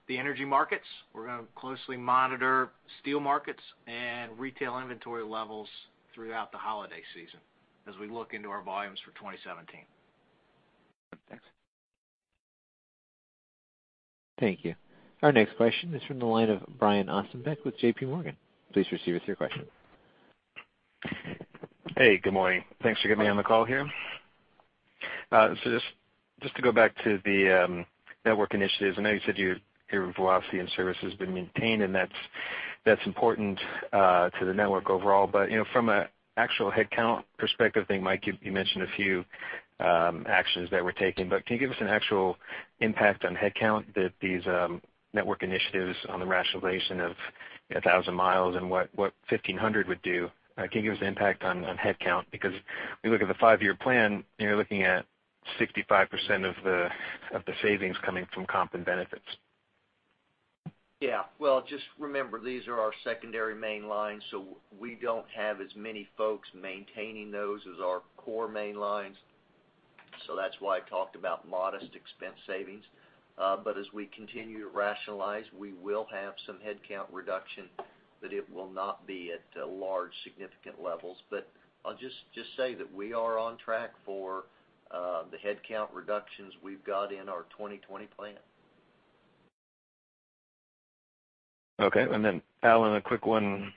the energy markets. We're going to closely monitor steel markets and retail inventory levels throughout the holiday season as we look into our volumes for 2017. Thanks. Thank you. Our next question is from the line of Brian Ossenbeck with JP Morgan. Please proceed with your question. Good morning. Thanks for getting me on the call here. Just to go back to the network initiatives, I know you said your velocity and service has been maintained, and that's important to the network overall. From an actual headcount perspective, I think, Mike, you mentioned a few actions that we're taking, can you give us an actual impact on headcount that these network initiatives on the rationalization of 1,000 miles and what 1,500 would do? Can you give us the impact on headcount? Because we look at the five-year plan, you're looking at 65% of the savings coming from comp and benefits. Just remember, these are our secondary main lines, we don't have as many folks maintaining those as our core main lines. That's why I talked about modest expense savings. As we continue to rationalize, we will have some headcount reduction, it will not be at large significant levels. I'll just say that we are on track for the headcount reductions we've got in our 2020 plan. Okay. Alan, a quick one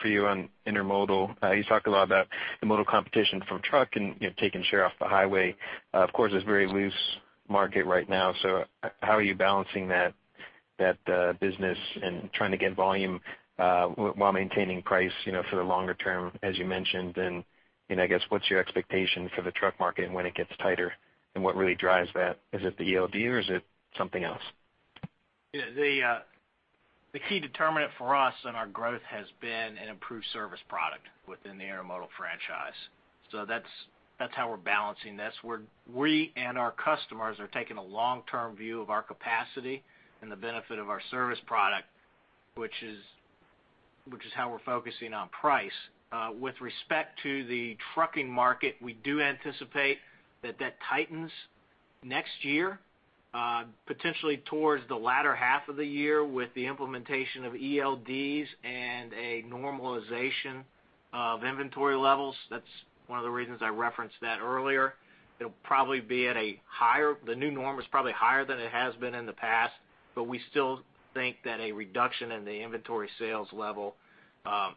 for you on intermodal. You talk a lot about the modal competition from truck and taking share off the highway. Of course, it's very loose market right now, how are you balancing that business and trying to get volume while maintaining price for the longer term, as you mentioned? I guess, what's your expectation for the truck market and when it gets tighter and what really drives that? Is it the ELD or is it something else? The key determinant for us in our growth has been an improved service product within the intermodal franchise. That's how we're balancing this, where we and our customers are taking a long-term view of our capacity and the benefit of our service product, which is how we're focusing on price. With respect to the trucking market, we do anticipate that that tightens next year, potentially towards the latter half of the year with the implementation of ELDs and a normalization of inventory levels. That's one of the reasons I referenced that earlier. The new norm is probably higher than it has been in the past, we still think that a reduction in the inventory sales level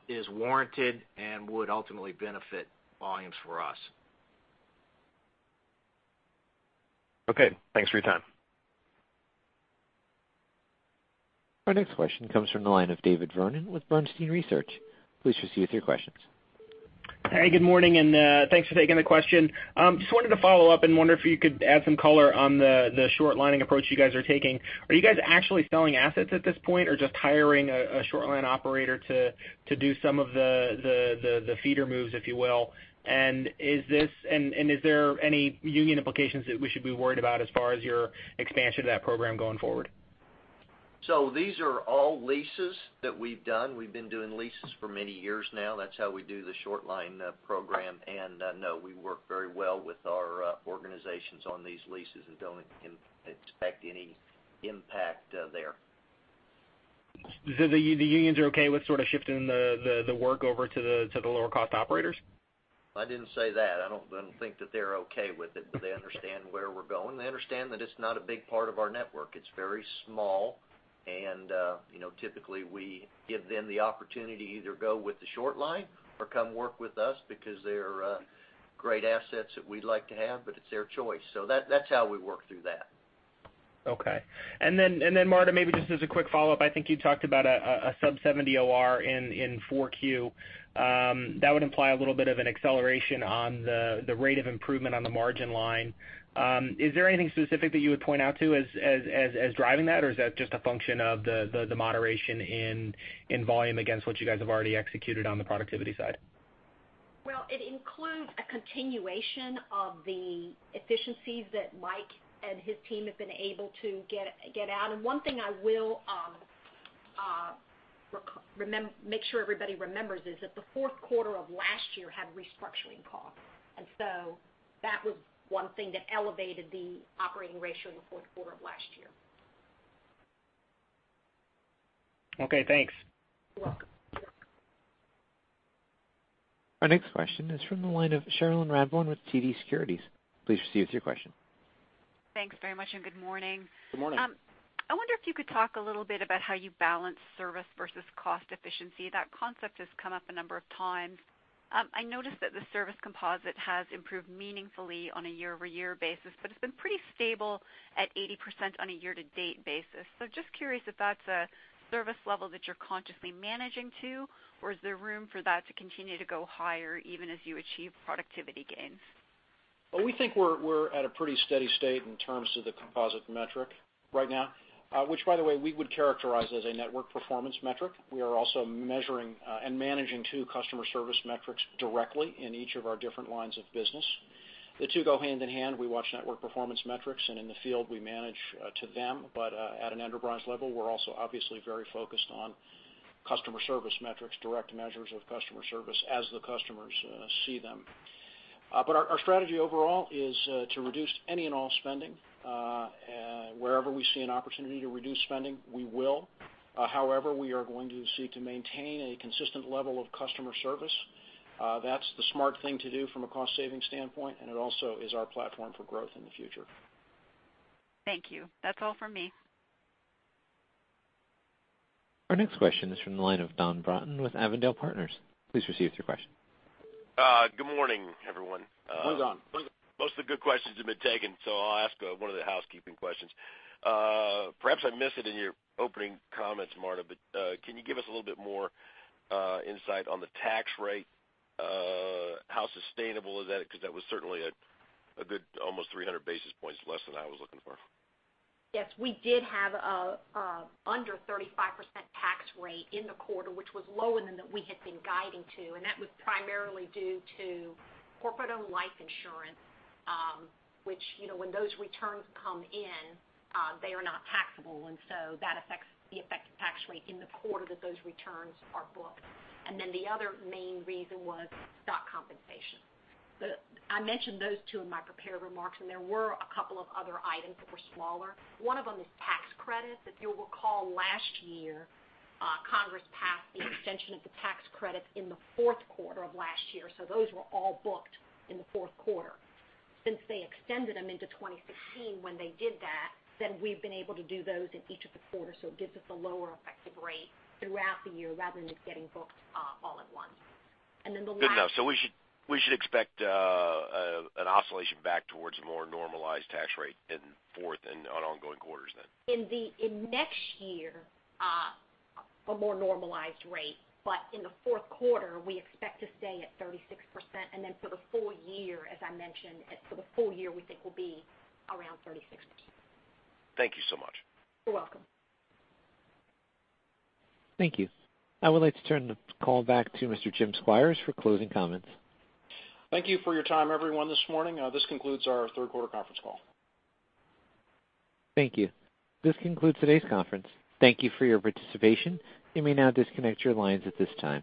is warranted and would ultimately benefit volumes for us. Okay. Thanks for your time. Our next question comes from the line of David Vernon with Bernstein Research. Please proceed with your questions. Good morning, and thanks for taking the question. Just wanted to follow up and wonder if you could add some color on the short-lining approach you guys are taking. Are you guys actually selling assets at this point or just hiring a short-line operator to do some of the feeder moves, if you will? Is there any union implications that we should be worried about as far as your expansion of that program going forward? These are all leases that we've done. We've been doing leases for many years now. That's how we do the short line program. No, we work very well with our organizations on these leases and don't expect any impact there. The unions are okay with sort of shifting the work over to the lower cost operators? I didn't say that. I don't think that they're okay with it, but they understand where we're going. They understand that it's not a big part of our network. It's very small, and typically, we give them the opportunity to either go with the short line or come work with us because they're great assets that we'd like to have, but it's their choice. That's how we work through that. Okay. Then, Marta, maybe just as a quick follow-up, I think you talked about a sub 70 OR in 4Q. That would imply a little bit of an acceleration on the rate of improvement on the margin line. Is there anything specific that you would point out to as driving that, or is that just a function of the moderation in volume against what you guys have already executed on the productivity side? Well, it includes a continuation of the efficiencies that Mike and his team have been able to get out. One thing I will make sure everybody remembers is that the fourth quarter of last year had restructuring costs. That was one thing that elevated the operating ratio in the fourth quarter of last year. Okay, thanks. You're welcome. Our next question is from the line of Cherilyn Radbourne with TD Securities. Please proceed with your question. Thanks very much. Good morning. Good morning. I wonder if you could talk a little bit about how you balance service versus cost efficiency. That concept has come up a number of times. I noticed that the service composite has improved meaningfully on a year-over-year basis, but it's been pretty stable at 80% on a year-to-date basis. Just curious if that's a service level that you're consciously managing to, or is there room for that to continue to go higher even as you achieve productivity gains? Well, we think we're at a pretty steady state in terms of the composite metric right now. Which, by the way, we would characterize as a network performance metric. We are also measuring and managing two customer service metrics directly in each of our different lines of business. The two go hand in hand. We watch network performance metrics, and in the field we manage to them. At an enterprise level, we're also obviously very focused on customer service metrics, direct measures of customer service as the customers see them. Our strategy overall is to reduce any and all spending. Wherever we see an opportunity to reduce spending, we will. However, we are going to seek to maintain a consistent level of customer service. That's the smart thing to do from a cost-saving standpoint, and it also is our platform for growth in the future. Thank you. That's all from me. Our next question is from the line of Don Broughton with Avondale Partners. Please proceed with your question. Good morning, everyone. Move on. Most of the good questions have been taken, I'll ask one of the housekeeping questions. Perhaps I missed it in your opening comments, Marta, but can you give us a little bit more insight on the tax rate? How sustainable is that? Because that was certainly a good almost 300 basis points less than I was looking for. Yes, we did have an under 35% tax rate in the quarter, which was lower than we had been guiding to. That was primarily due to corporate-owned life insurance, which when those returns come in, they are not taxable, That affects the effective tax rate in the quarter that those returns are booked. The other main reason was stock compensation. I mentioned those two in my prepared remarks. There were a couple of other items that were smaller. One of them is tax credits. If you'll recall, last year, Congress passed the extension of the tax credits in the fourth quarter of last year, Those were all booked in the fourth quarter. Since they extended them into 2016 when they did that, We've been able to do those in each of the quarters, It gives us a lower effective rate throughout the year rather than just getting booked all at once. Good enough. We should expect an oscillation back towards a more normalized tax rate in fourth and on ongoing quarters then? In next year, a more normalized rate. In the fourth quarter, we expect to stay at 36%. Then for the full year, as I mentioned, for the full year, we think we'll be around 36%. Thank you so much. You're welcome. Thank you. I would like to turn the call back to Mr. Jim Squires for closing comments. Thank you for your time, everyone, this morning. This concludes our third quarter conference call. Thank you. This concludes today's conference. Thank you for your participation. You may now disconnect your lines at this time.